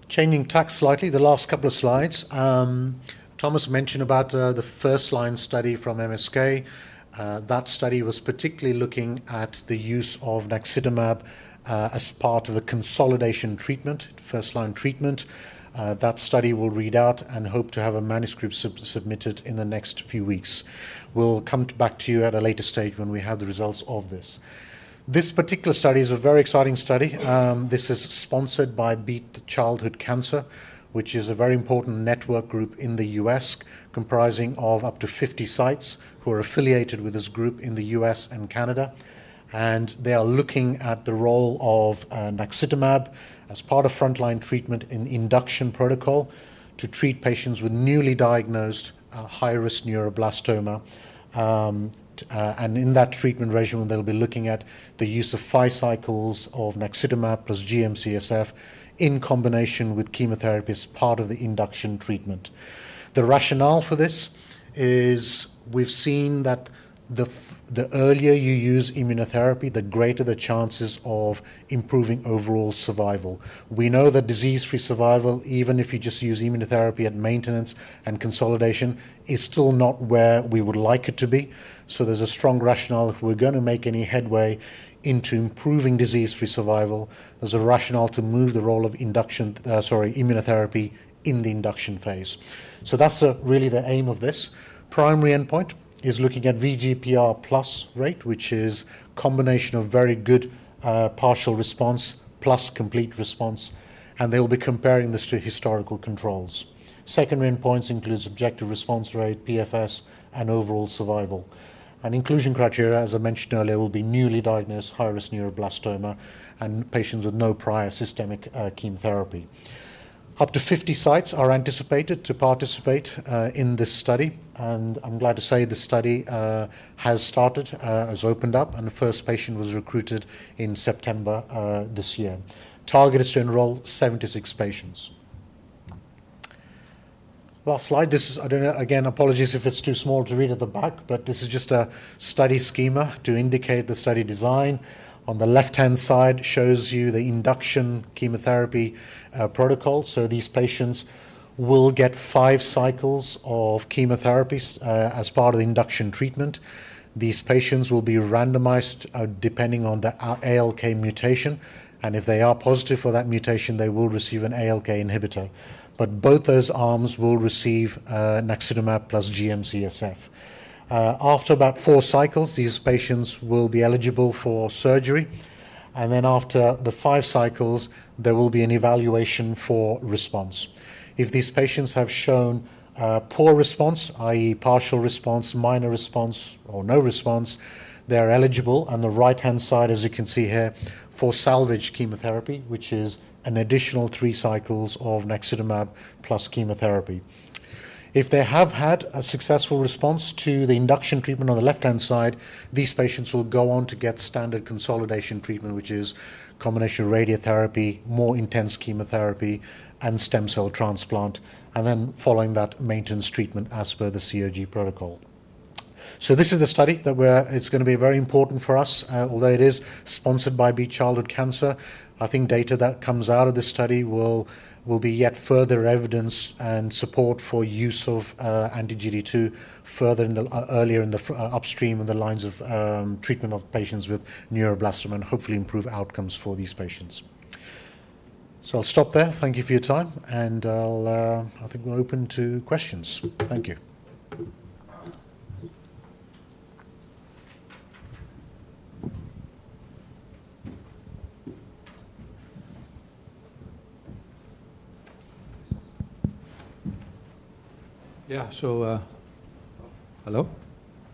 Changing tacks slightly, the last couple of slides. Thomas mentioned about the first-line study from MSK. That study was particularly looking at the use of naxitamab as part of a consolidation treatment, first-line treatment. That study will read out and hope to have a manuscript sub-submitted in the next few weeks. We'll come back to you at a later stage when we have the results of this. This particular study is a very exciting study. This is sponsored by Beat Childhood Cancer, which is a very important network group in the U.S. comprising of up to 50 sites who are affiliated with this group in the U.S. and Canada. They are looking at the role of naxitamab as part of frontline treatment in induction protocol to treat patients with newly diagnosed high-risk neuroblastoma. In that treatment regimen, they'll be looking at the use of five cycles of naxitamab plus GM-CSF in combination with chemotherapy as part of the induction treatment. The rationale for this is we've seen that the earlier you use immunotherapy, the greater the chances of improving overall survival. We know that disease-free survival, even if you just use immunotherapy at maintenance and consolidation, is still not where we would like it to be. There's a strong rationale if we're gonna make any headway into improving disease-free survival, there's a rationale to move the role of immunotherapy in the induction phase. That's really the aim of this. Primary endpoint is looking at VGPR plus rate, which is combination of very good partial response plus complete response, and they'll be comparing this to historical controls. Secondary endpoints includes objective response rate, PFS, and overall survival. Inclusion criteria, as I mentioned earlier, will be newly diagnosed high-risk neuroblastoma and patients with no prior systemic chemotherapy. Up to 50 sites are anticipated to participate in this study, and I'm glad to say the study has started, has opened up, and the first patient was recruited in September this year. Target is to enroll 76 patients. Last slide. Again, apologies if it's too small to read at the back, but this is just a study schema to indicate the study design. On the left-hand side shows you the induction chemotherapy protocol. These patients will get five cycles of chemotherapy as part of the induction treatment. These patients will be randomized, depending on the ALK mutation, and if they are positive for that mutation, they will receive an ALK inhibitor. Both those arms will receive naxitamab plus GM-CSF. After about four cycles, these patients will be eligible for surgery. Then after the five cycles, there will be an evaluation for response. If these patients have shown poor response, i.e., partial response, minor response, or no response, they are eligible on the right-hand side, as you can see here, for salvage chemotherapy, which is an additional three cycles of naxitamab plus chemotherapy. If they have had a successful response to the induction treatment on the left-hand side, these patients will go on to get standard consolidation treatment, which is combination radiotherapy, more intense chemotherapy, and stem cell transplant, and then following that, maintenance treatment as per the COG protocol. This is a study that it's gonna be very important for us, although it is sponsored by Beat Childhood Cancer. I think data that comes out of this study will be yet further evidence and support for use of anti-GD2 further in the earlier in the upstream of the lines of treatment of patients with neuroblastoma and hopefully improve outcomes for these patients. I'll stop there. Thank you for your time, and I'll I think we're open to questions. Thank you. Yeah. Hello?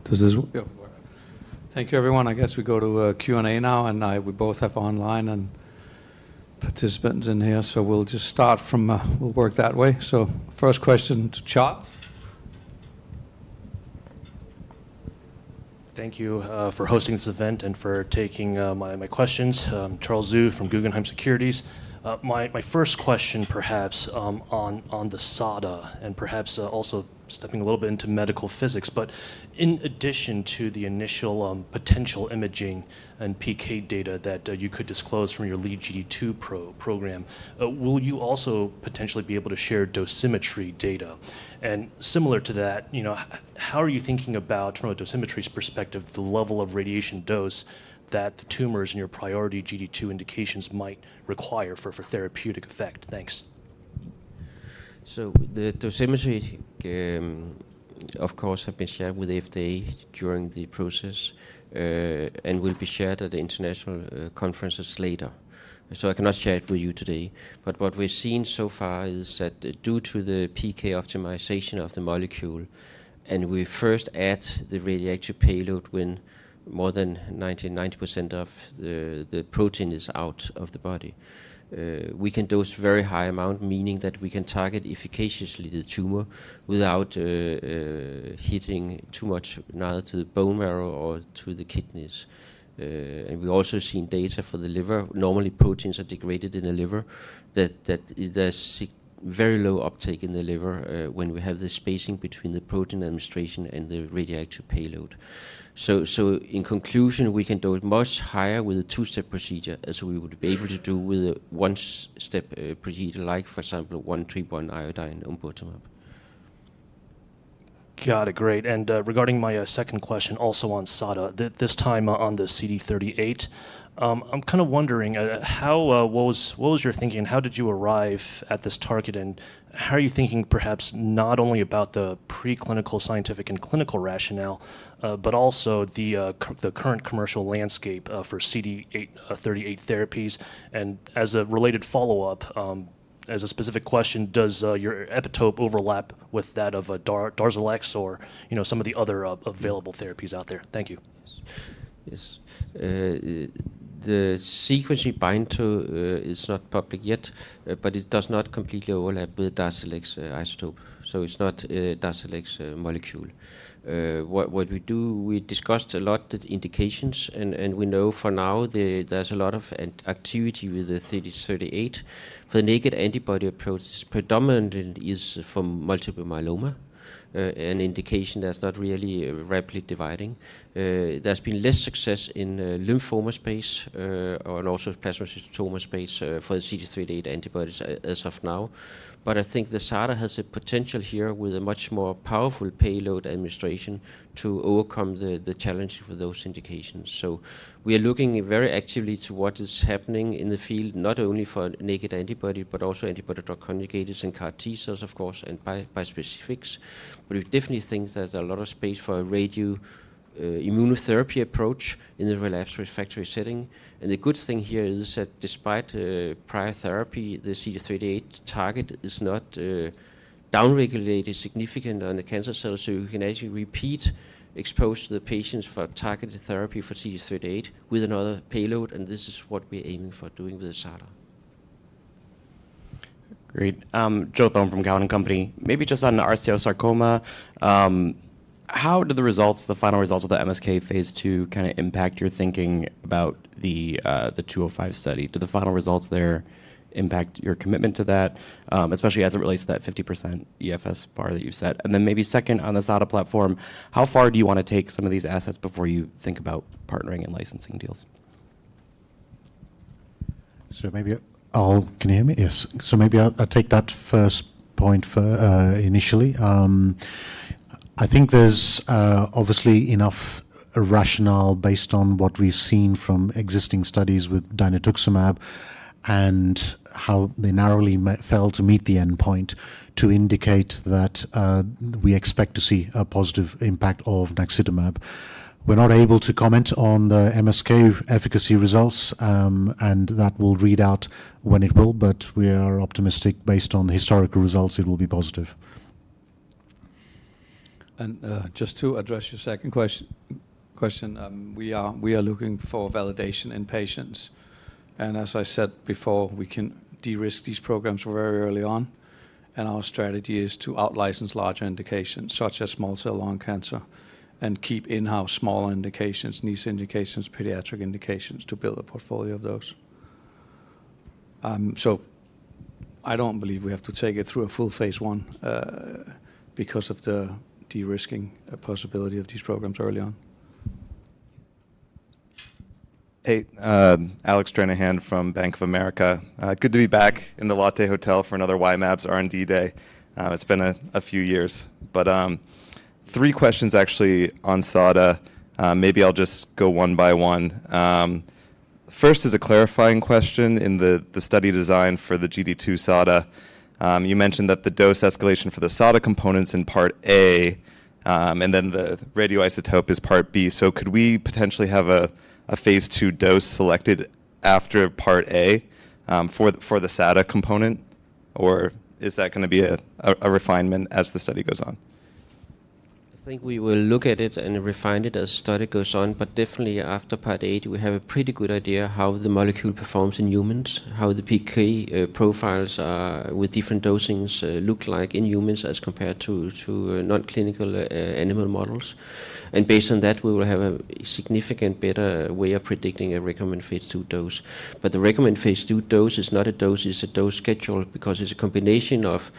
Does this? Yeah. Thank you, everyone. I guess we go to Q&A now, and we both have online and participants in here, so we'll just start from we'll work that way. First question to chat. Thank you for hosting this event and for taking my questions. I'm Charles Zhu from Guggenheim Securities. My first question perhaps on the SADA and perhaps also stepping a little bit into medical physics, but in addition to the initial potential imaging and PK data that you could disclose from your lead GD2 program, will you also potentially be able to share dosimetry data? Similar to that, you know, how are you thinking about from a dosimetry's perspective, the level of radiation dose that the tumors in your priority GD2 indications might require for therapeutic effect? Thanks. The dosimetry, of course, have been shared with FDA during the process, and will be shared at the international conferences later. I cannot share it with you today. What we've seen so far is that due to the PK optimization of the molecule, and we first add the radioactive payload when more than 90% of the protein is out of the body, we can dose very high amount, meaning that we can target efficaciously the tumor without hitting too much neither to the bone marrow or to the kidneys. We've also seen data for the liver. Normally, proteins are degraded in the liver that there's very low uptake in the liver, when we have the spacing between the protein administration and the radioactive payload. In conclusion, we can dose much higher with a 2-step procedure as we would be able to do with a 1-step procedure, like, for example, 131 iodine omburtamab. Got it. Great. Regarding my second question also on SADA, this time on the CD38, I'm kinda wondering how what was your thinking? How did you arrive at this target, and how are you thinking perhaps not only about the preclinical, scientific, and clinical rationale, but also the current commercial landscape for CD38 therapies? As a related follow-up, as a specific question, does your epitope overlap with that of DARZALEX or, you know, some of the other available therapies out there? Thank you. The sequencing bind to is not public yet, but it does not completely overlap with DARZALEX isotope, so it's not a DARZALEX molecule. What we do, we discussed a lot the indications, and we know for now there's a lot of an activity with the CD38. The naked antibody approach is predominantly from multiple myeloma, an indication that's not really rapidly dividing. There's been less success in lymphoma space, and also plasmacytoma space, for the CD38 antibodies as of now. I think the SADA has a potential here with a much more powerful payload administration to overcome the challenge for those indications. We are looking very actively to what is happening in the field, not only for naked antibody, but also antibody-drug conjugates and CAR T cells, of course, and bispecifics. We definitely think there's a lot of space for a radio immunotherapy approach in the relapsed refractory setting. The good thing here is that despite prior therapy, the CD38 target is not down-regulated significant on the cancer cells. We can actually repeat expose the patients for targeted therapy for CD38 with another payload, and this is what we're aiming for doing with the SADA. Great. Joseph Thome from Cowen and Company. Maybe just on osteosarcoma, how do the results, the final results of the MSK phase II kinda impact your thinking about the 205 study? Do the final results there impact your commitment to that, especially as it relates to that 50% EFS bar that you've set? Maybe second on the SADA platform, how far do you wanna take some of these assets before you think about partnering and licensing deals? Maybe I'll. Can you hear me? Yes. Maybe I'll take that first point initially. I think there's obviously enough rationale based on what we've seen from existing studies with dinutuximab and how they narrowly failed to meet the endpoint to indicate that we expect to see a positive impact of naxitamab. We're not able to comment on the MSK efficacy results, and that will read out when it will, but we are optimistic, based on the historical results, it will be positive. Just to address your second question, we are looking for validation in patients. As I said before, we can de-risk these programs very early on, and our strategy is to out-license larger indications, such as small cell lung cancer, and keep in-house smaller indications, niche indications, pediatric indications, to build a portfolio of those. I don't believe we have to take it through a full phase I, because of the de-risking possibility of these programs early on. Hey, Alec Stranahan from Bank of America. Good to be back in the Lotte Hotel for another Y-mAbs' R&D Day. It's been a few years. Three questions actually on SADA. Maybe I'll just go one by one. First is a clarifying question. In the study design for the GD2-SADA, you mentioned that the dose escalation for the SADA component's in Part A, and then the radioisotope is Part B. Could we potentially have a phase II dose selected after Part A, for the SADA component, or is that gonna be a refinement as the study goes on? I think we will look at it and refine it as study goes on. Definitely after Part A, we have a pretty good idea how the molecule performs in humans, how the PK profiles with different dosings look like in humans as compared to non-clinical animal models. Based on that, we will have a significant better way of predicting a recommended phase II dose. The recommended phase II dose is not a dose, it's a dose schedule because it's a combination of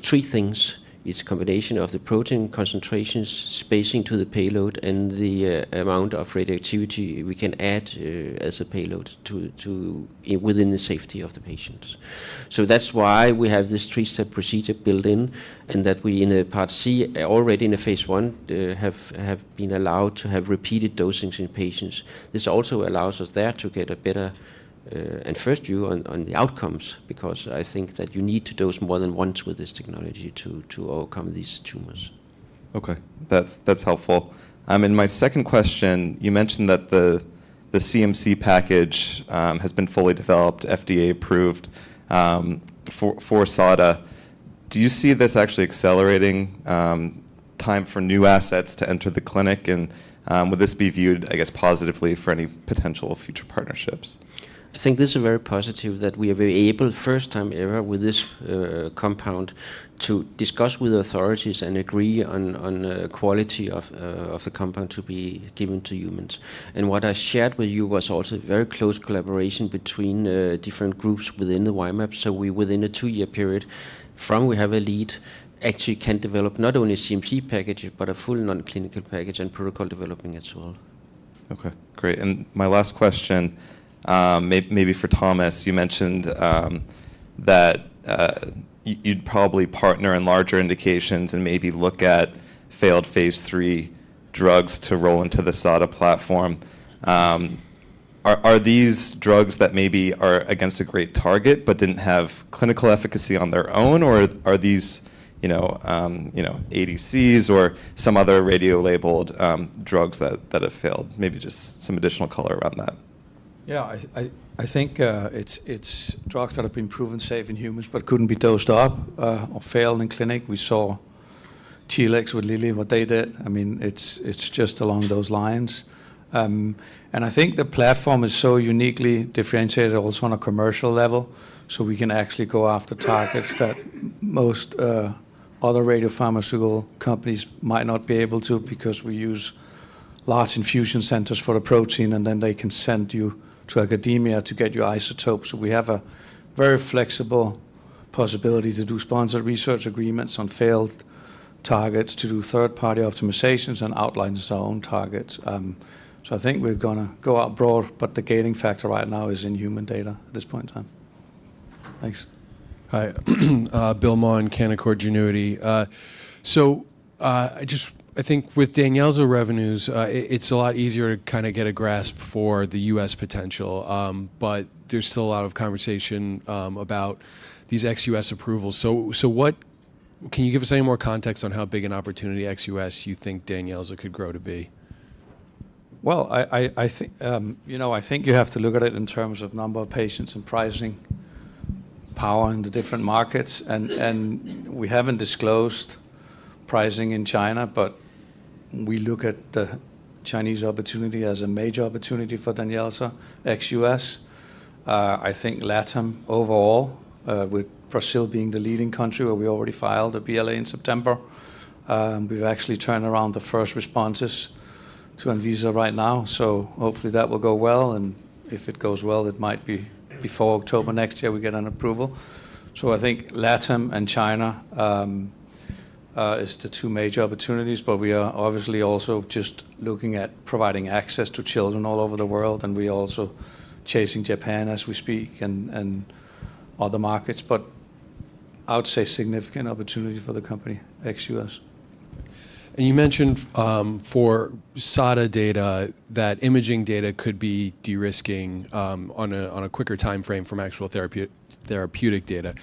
three things. It's a combination of the protein concentrations, spacing to the payload, and the amount of radioactivity we can add as a payload to within the safety of the patients. That's why we have this three-step procedure built in, and that we in a Part C, already in a phase I, have been allowed to have repeated dosings in patients. This also allows us there to get a better and first view on the outcomes because I think that you need to dose more than once with this technology to overcome these tumors. Okay. That's helpful. In my second question, you mentioned that the CMC package has been fully developed, FDA approved, for SADA. Do you see this actually accelerating time for new assets to enter the clinic? Would this be viewed, I guess, positively for any potential future partnerships? I think this is very positive that we are very able, first time ever with this, compound, to discuss with authorities and agree on a quality of the compound to be given to humans. What I shared with you was also very close collaboration between, different groups within Y-mAbs. We, within a two-year period, from we have a lead, actually can develop not only a CMC package, but a full non-clinical package and protocol developing as well. Okay, great. My last question, maybe for Thomas, you mentioned that you'd probably partner in larger indications and maybe look at failed phase III drugs to roll into the SADA platform. Are these drugs that maybe are against a great target but didn't have clinical efficacy on their own? Or are these, you know, ADCs or some other radiolabeled drugs that have failed? Maybe just some additional color around that. Yeah. I think it's drugs that have been proven safe in humans but couldn't be dosed up or failed in clinic. We saw Telix with Lilly and what they did. I mean, it's just along those lines. I think the platform is so uniquely differentiated also on a commercial level, so we can actually go after targets that most other radiopharmaceutical companies might not be able to because we use large infusion centers for the protein, and then they can send you to academia to get your isotopes. We have a very flexible possibility to do sponsored research agreements on failed targets, to do third-party optimizations, and outline some targets. I think we're gonna go out broad, but the gaining factor right now is in human data at this point in time. Thanks. Hi. Bill Maughan, Canaccord Genuity. I think with DANYELZA revenues, it's a lot easier to kinda get a grasp for the US potential. There's still a lot of conversation about these ex-US approvals. Can you give us any more context on how big an opportunity ex-US you think DANYELZA could grow to be? Well, I think, you know, I think you have to look at it in terms of number of patients and pricing power in the different markets. We haven't disclosed pricing in China, but we look at the Chinese opportunity as a major opportunity for DANYELZA ex-US. I think LATAM overall, with Brazil being the leading country where we already filed a BLA in September. We've actually turned around the first responses to Anvisa right now, so hopefully that will go well. If it goes well, it might be before October next year we get an approval. I think LATAM and China is the two major opportunities. We are obviously also just looking at providing access to children all over the world, and we're also chasing Japan as we speak and other markets. I would say significant opportunity for the company ex-US. You mentioned for SADA data that imaging data could be de-risking on a quicker timeframe from actual therapeutic data.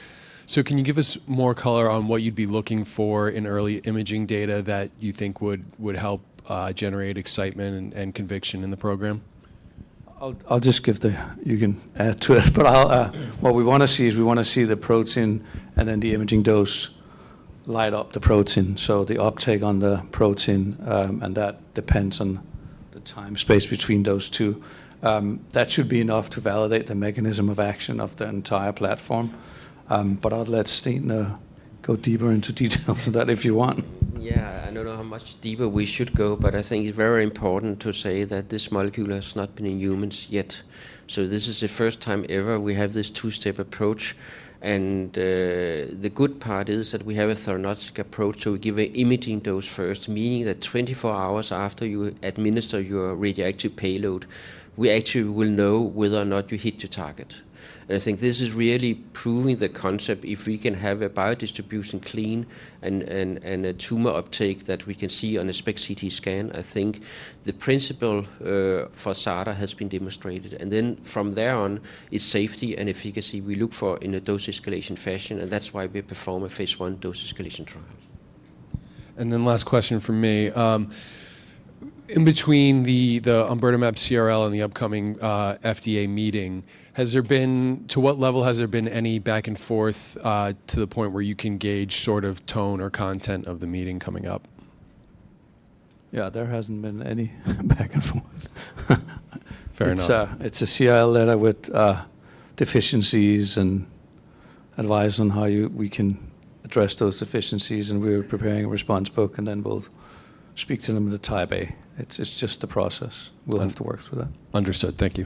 Can you give us more color on what you'd be looking for in early imaging data that you think would help generate excitement and conviction in the program? I'll just give. You can add to it, but I'll. What we wanna see is we wanna see the protein and then the imaging dose light up the protein, so the uptake on the protein, and that depends on the time space between those two. That should be enough to validate the mechanism of action of the entire platform. I'll let Steen go deeper into details of that if you want. Yeah. I don't know how much deeper we should go, but I think it's very important to say that this molecule has not been in humans yet. This is the first time ever we have this two-step approach, and the good part is that we have a therapeutic approach, so we give a imaging dose first, meaning that 24 hours after you administer your radioactive payload, we actually will know whether or not you hit your target. I think this is really proving the concept, if we can have a biodistribution clean and a tumor uptake that we can see on a SPECT/CT scan, I think the principle for SADA has been demonstrated. Then from there on, it's safety and efficacy we look for in a dose escalation fashion, and that's why we perform a phase I dose escalation trial. Last question from me. In between the omburtamab CRL and the upcoming FDA meeting, to what level has there been any back and forth to the point where you can gauge sort of tone or content of the meeting coming up? Yeah, there hasn't been any back and forth. Fair enough. It's a CRL letter with deficiencies and advise on how we can address those deficiencies, and we're preparing a response book, and then we'll speak to them at a Type A meeting. It's just a process. We'll have to work through that. Understood. Thank you.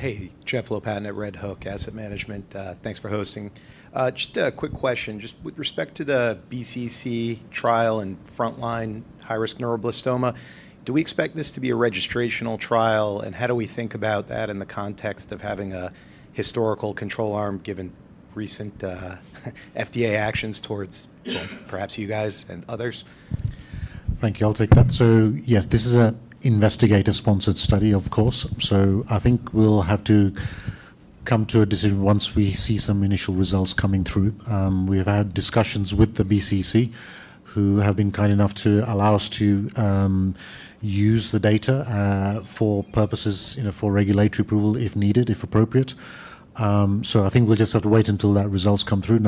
Hey. Jeff Lopatin at Red Hook Asset Management. Thanks for hosting. Just a quick question. Just with respect to the BCC trial and frontline high-risk neuroblastoma, do we expect this to be a registrational trial, and how do we think about that in the context of having a historical control arm given recent, FDA actions towards perhaps you guys and others? Thank you. I'll take that. Yes, this is an investigator-sponsored study, of course. I think we'll have to come to a decision once we see some initial results coming through. We have had discussions with the BCC, who have been kind enough to allow us to use the data for purposes, you know, for regulatory approval if needed, if appropriate. I think we'll just have to wait until that results come through.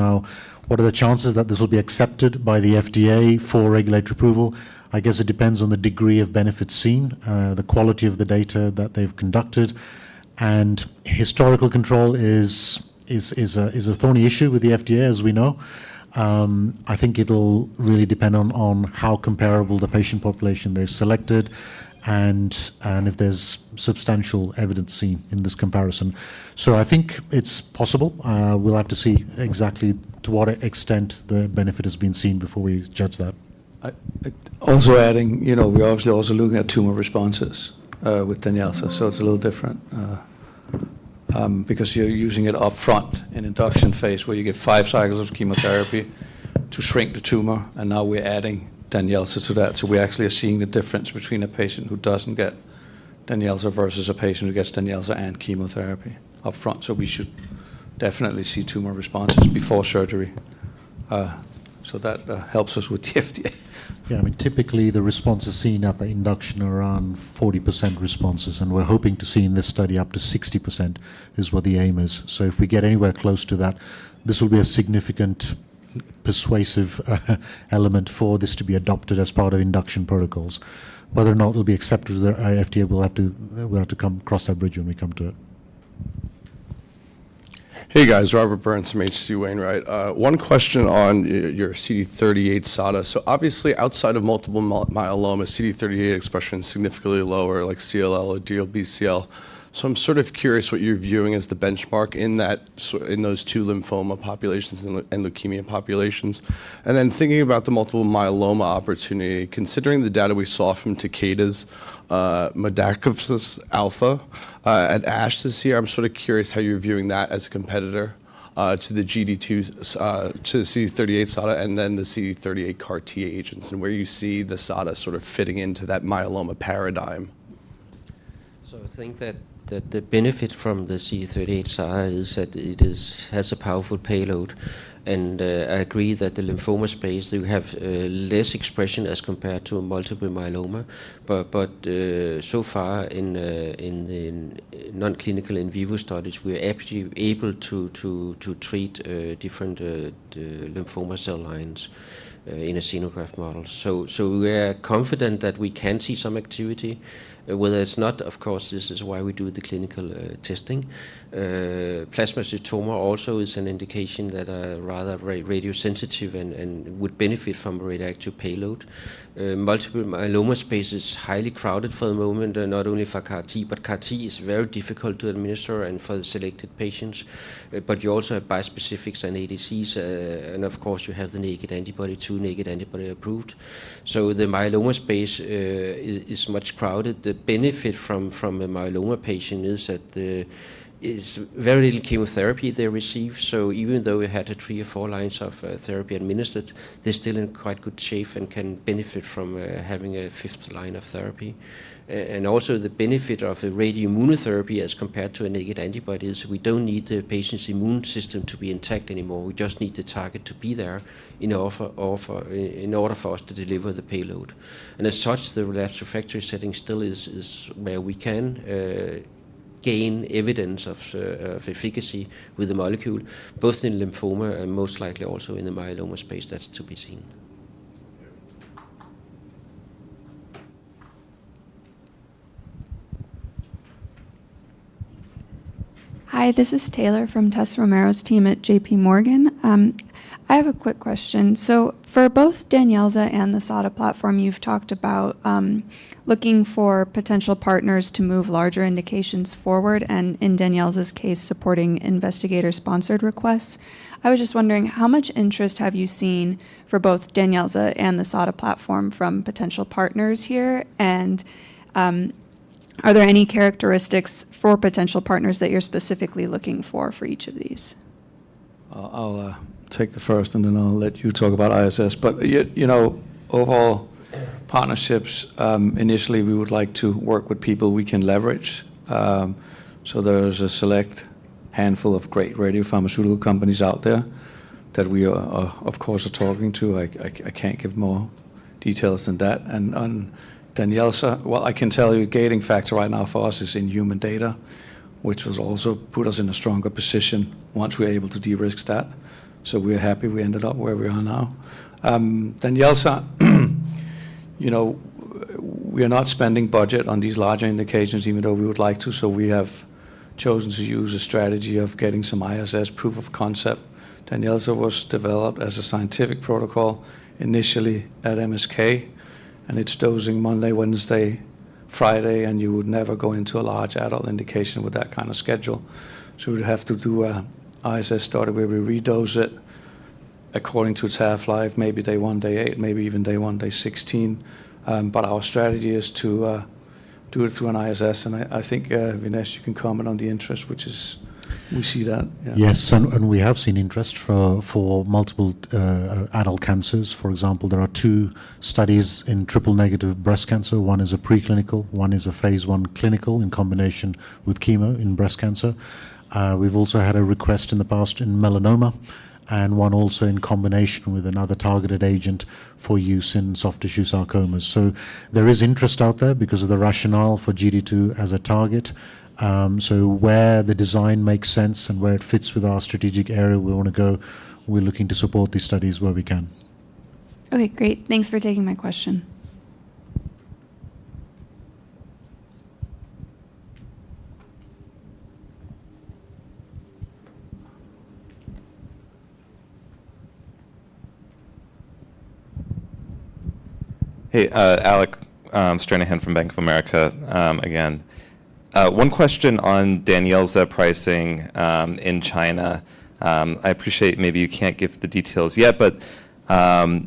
What are the chances that this will be accepted by the FDA for regulatory approval? I guess it depends on the degree of benefit seen, the quality of the data that they've conducted, and historical control is a thorny issue with the FDA, as we know. I think it'll really depend on how comparable the patient population they've selected and if there's substantial evidence seen in this comparison. I think it's possible. We'll have to see exactly to what extent the benefit has been seen before we judge that. Also adding, you know, we're obviously also looking at tumor responses with DANYELZA. It's a little different because you're using it up front in induction phase where you get five cycles of chemotherapy to shrink the tumor. Now we're adding DANYELZA to that. We actually are seeing the difference between a patient who doesn't get DANYELZA versus a patient who gets DANYELZA and chemotherapy up front. We should definitely see tumor responses before surgery. That helps us with the FDA. Yeah, I mean, typically the response is seen at the induction around 40% responses, and we're hoping to see in this study up to 60% is what the aim is. If we get anywhere close to that, this will be a significant persuasive element for this to be adopted as part of induction protocols. Whether or not it'll be accepted with the FDA, we'll have to come across that bridge when we come to it. Hey, guys. Robert Burns from H.C. Wainwright. One question on your CD38 SADA. Obviously outside of multiple myeloma, CD38 expression is significantly lower like CLL or DLBCL. I'm sort of curious what you're viewing as the benchmark in that... in those two lymphoma populations and leukemia populations. Thinking about the multiple myeloma opportunity, considering the data we saw from Takeda's modakafusp alfa at ASH this year, I'm sort of curious how you're viewing that as a competitor to the CD38 SADA and then the CD38 CAR T agents and where you see the SADA sort of fitting into that myeloma paradigm. I think that the benefit from the CD38-SADA is that it has a powerful payload, and I agree that the lymphoma space, they have less expression as compared to multiple myeloma. So far in non-clinical in vivo studies, we're actually able to treat different lymphoma cell lines in a xenograft model. We are confident that we can see some activity. Of course, this is why we do the clinical testing. Plasmacytoma also is an indication that are rather radio sensitive and would benefit from radioactive payload. Multiple myeloma space is highly crowded for the moment, not only for CAR T, but CAR T is very difficult to administer and for the selected patients. You also have bispecifics and ADCs, and of course you have the naked antibody, two naked antibody approved. The myeloma space is much crowded. The benefit from a myeloma patient is that it's very little chemotherapy they receive. Even though we had three or four lines of therapy administered, they're still in quite good shape and can benefit from having a 5th line of therapy. Also the benefit of a radioimmunotherapy as compared to a naked antibody is we don't need the patient's immune system to be intact anymore. We just need the target to be there in order for us to deliver the payload. As such, the relapsed/refractory setting still is where we can. Gain evidence of efficacy with the molecule, both in lymphoma and most likely also in the myeloma space. That's to be seen. Hi, this is Taylor from Tessa Romero's team at JPMorgan. I have a quick question. For both DANYELZA and the SADA platform, you've talked about looking for potential partners to move larger indications forward, and in DANYELZA's case, supporting investigator-sponsored requests. I was just wondering, how much interest have you seen for both DANYELZA and the SADA platform from potential partners here? Are there any characteristics for potential partners that you're specifically looking for for each of these? I'll take the first, and then I'll let you talk about ISS. you know, overall partnerships, initially we would like to work with people we can leverage. there's a select handful of great radiopharmaceutical companies out there that we are, of course, talking to. I can't give more details than that. On DANYELZA, what I can tell you, gating factor right now for us is in human data, which was also put us in a stronger position once we're able to de-risk that. We're happy we ended up where we are now. DANYELZA, you know, we are not spending budget on these larger indications even though we would like to, we have chosen to use a strategy of getting some ISS proof of concept. DANYELZA was developed as a scientific protocol initially at MSK, and it's dosing Monday, Wednesday, Friday, and you would never go into a large adult indication with that kind of schedule. We'd have to do a ISS study where we re-dose it according to its half-life, maybe day one, day eight, maybe even day one, day 16. Our strategy is to do it through an ISS, and I think Vignesh, you can comment on the interest, which is we see that. Yeah. Yes. We have seen interest for multiple adult cancers. For example, there are two studies in triple-negative breast cancer. One is a preclinical, one is a phase I clinical in combination with chemo in breast cancer. We've also had a request in the past in melanoma and one also in combination with another targeted agent for use in soft tissue sarcomas. There is interest out there because of the rationale for GD2 as a target. Where the design makes sense and where it fits with our strategic area we wanna go, we're looking to support these studies where we can. Okay, great. Thanks for taking my question. Hey, Alec Stranahan from Bank of America again. One question on DANYELZA pricing in China. I appreciate maybe you can't give the details yet, but,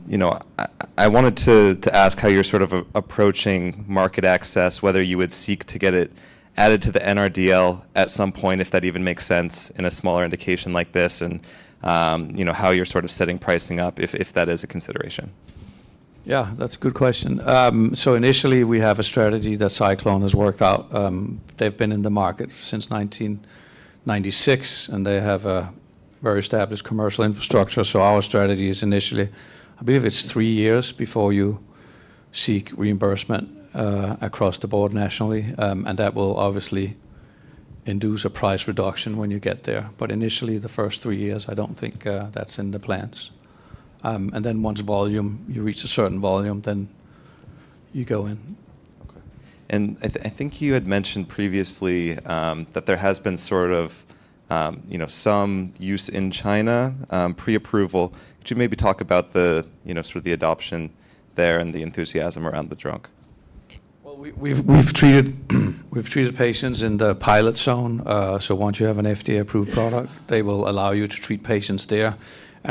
you know, I wanted to ask how you're sort of approaching market access, whether you would seek to get it added to the NRDL at some point, if that even makes sense in a smaller indication like this, and, you know, how you're sort of setting pricing up if that is a consideration. Yeah, that's a good question. Initially, we have a strategy that SciClone has worked out. They've been in the market since 1996, and they have a very established commercial infrastructure. Our strategy is initially, I believe it's 3 years before you seek reimbursement, across the board nationally, and that will obviously induce a price reduction when you get there. Initially, the first 3 years, I don't think, that's in the plans. Then once volume, you reach a certain volume, then you go in. Okay. I think you had mentioned previously, that there has been sort of, you know, some use in China, pre-approval. Could you maybe talk about the, you know, sort of the adoption there and the enthusiasm around the drug? Well, we've treated patients in the pilot zone. Once you have an FDA-approved product, they will allow you to treat patients there.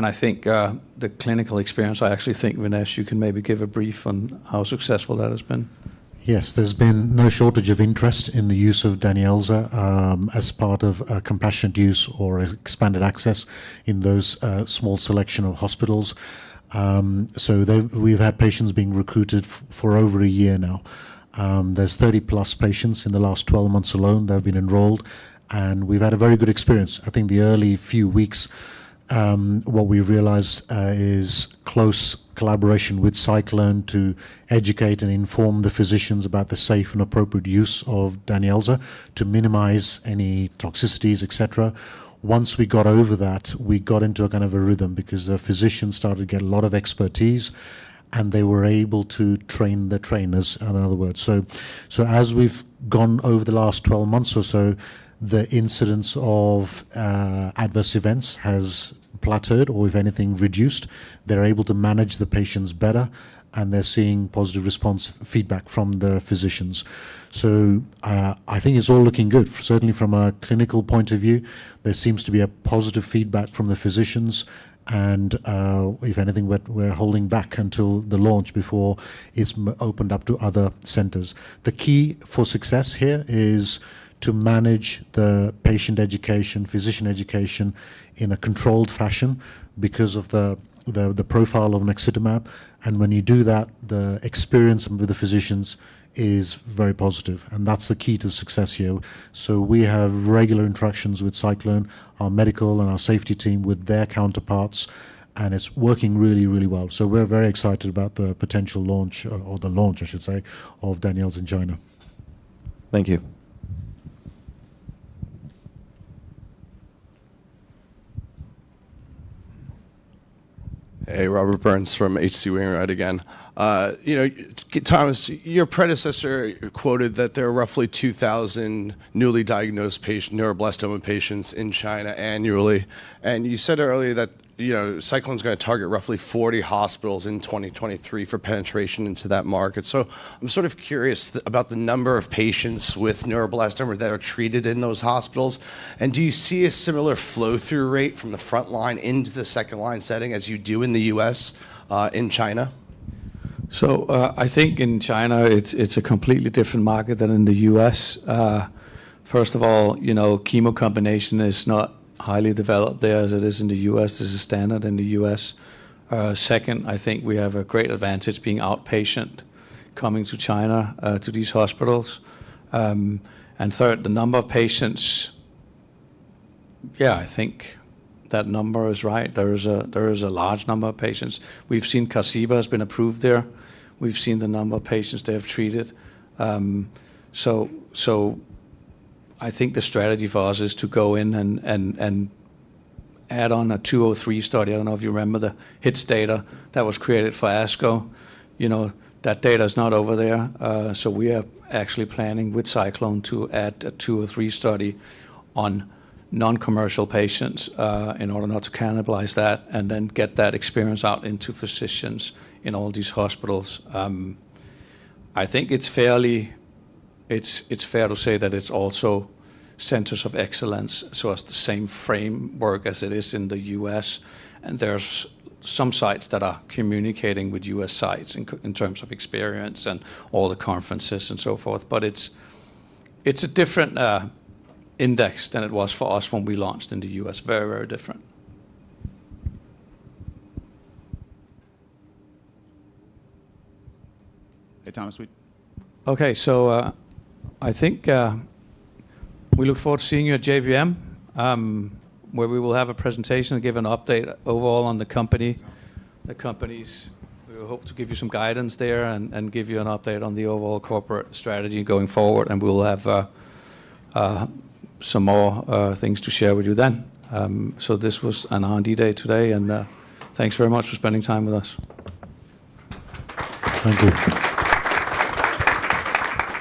I think the clinical experience, I actually think, Vignesh, you can maybe give a brief on how successful that has been. Yes. There's been no shortage of interest in the use of DANYELZA as part of a compassionate use or expanded access in those small selection of hospitals. We've had patients being recruited for over a year now. There's 30-plus patients in the last 12 months alone that have been enrolled, and we've had a very good experience. I think the early few weeks, what we realized, is close collaboration with SciClone to educate and inform the physicians about the safe and appropriate use of DANYELZA to minimize any toxicities, et cetera. Once we got over that, we got into a kind of a rhythm because the physicians started to get a lot of expertise, and they were able to train the trainers, in other words. As we've gone over the last 12 months or so, the incidence of adverse events has plateaued or, if anything, reduced. They're able to manage the patients better, they're seeing positive response feedback from the physicians. I think it's all looking good. Certainly from a clinical point of view, there seems to be a positive feedback from the physicians and, if anything, we're holding back until the launch before it's opened up to other centers. The key for success here is to manage the patient education, physician education in a controlled fashion because of the profile of naxitamab. When you do that, the experience with the physicians is very positive, and that's the key to success here. We have regular interactions with SciClone, our medical and our safety team with their counterparts, and it's working really, really well. We're very excited about the potential launch or the launch, I should say, of DANYELZA in China. Thank you. Robert Burns from H.C. Wainwright again. You know, Thomas, your predecessor quoted that there are roughly 2,000 newly diagnosed neuroblastoma patients in China annually, and you said earlier that, you know, SciClone's gonna target roughly 40 hospitals in 2023 for penetration into that market. I'm sort of curious about the number of patients with neuroblastoma that are treated in those hospitals, and do you see a similar flow through rate from the front line into the second line setting as you do in the U.S. in China? I think in China it's a completely different market than in the U.S. First of all, you know, chemo combination is not highly developed there as it is in the U.S. as a standard in the U.S. Second, I think we have a great advantage being outpatient coming to China, to these hospitals. Third, the number of patients, yeah, I think that number is right. There is a large number of patients. We've seen QARZIBA has been approved there. We've seen the number of patients they have treated. So I think the strategy for us is to go in and add on a 203 study. I don't know if you remember the hits data that was created for ASCO. You know, that data's not over there, so we are actually planning with SciClone to add a 203 study on non-commercial patients, in order not to cannibalize that and then get that experience out into physicians in all these hospitals. I think it's fairly... it's fair to say that it's also centers of excellence, so as the same framework as it is in the U.S. and there's some sites that are communicating with U.S. sites in terms of experience and all the conferences and so forth. It's a different index than it was for us when we launched in the U.S. Very, very different. Hey, Thomas. Okay. I think, we look forward to seeing you at JPM, where we will have a presentation and give an update overall on the company. We hope to give you some guidance there and give you an update on the overall corporate strategy going forward, and we'll have, some more, things to share with you then. This was a handy day today and, thanks very much for spending time with us. Thank you.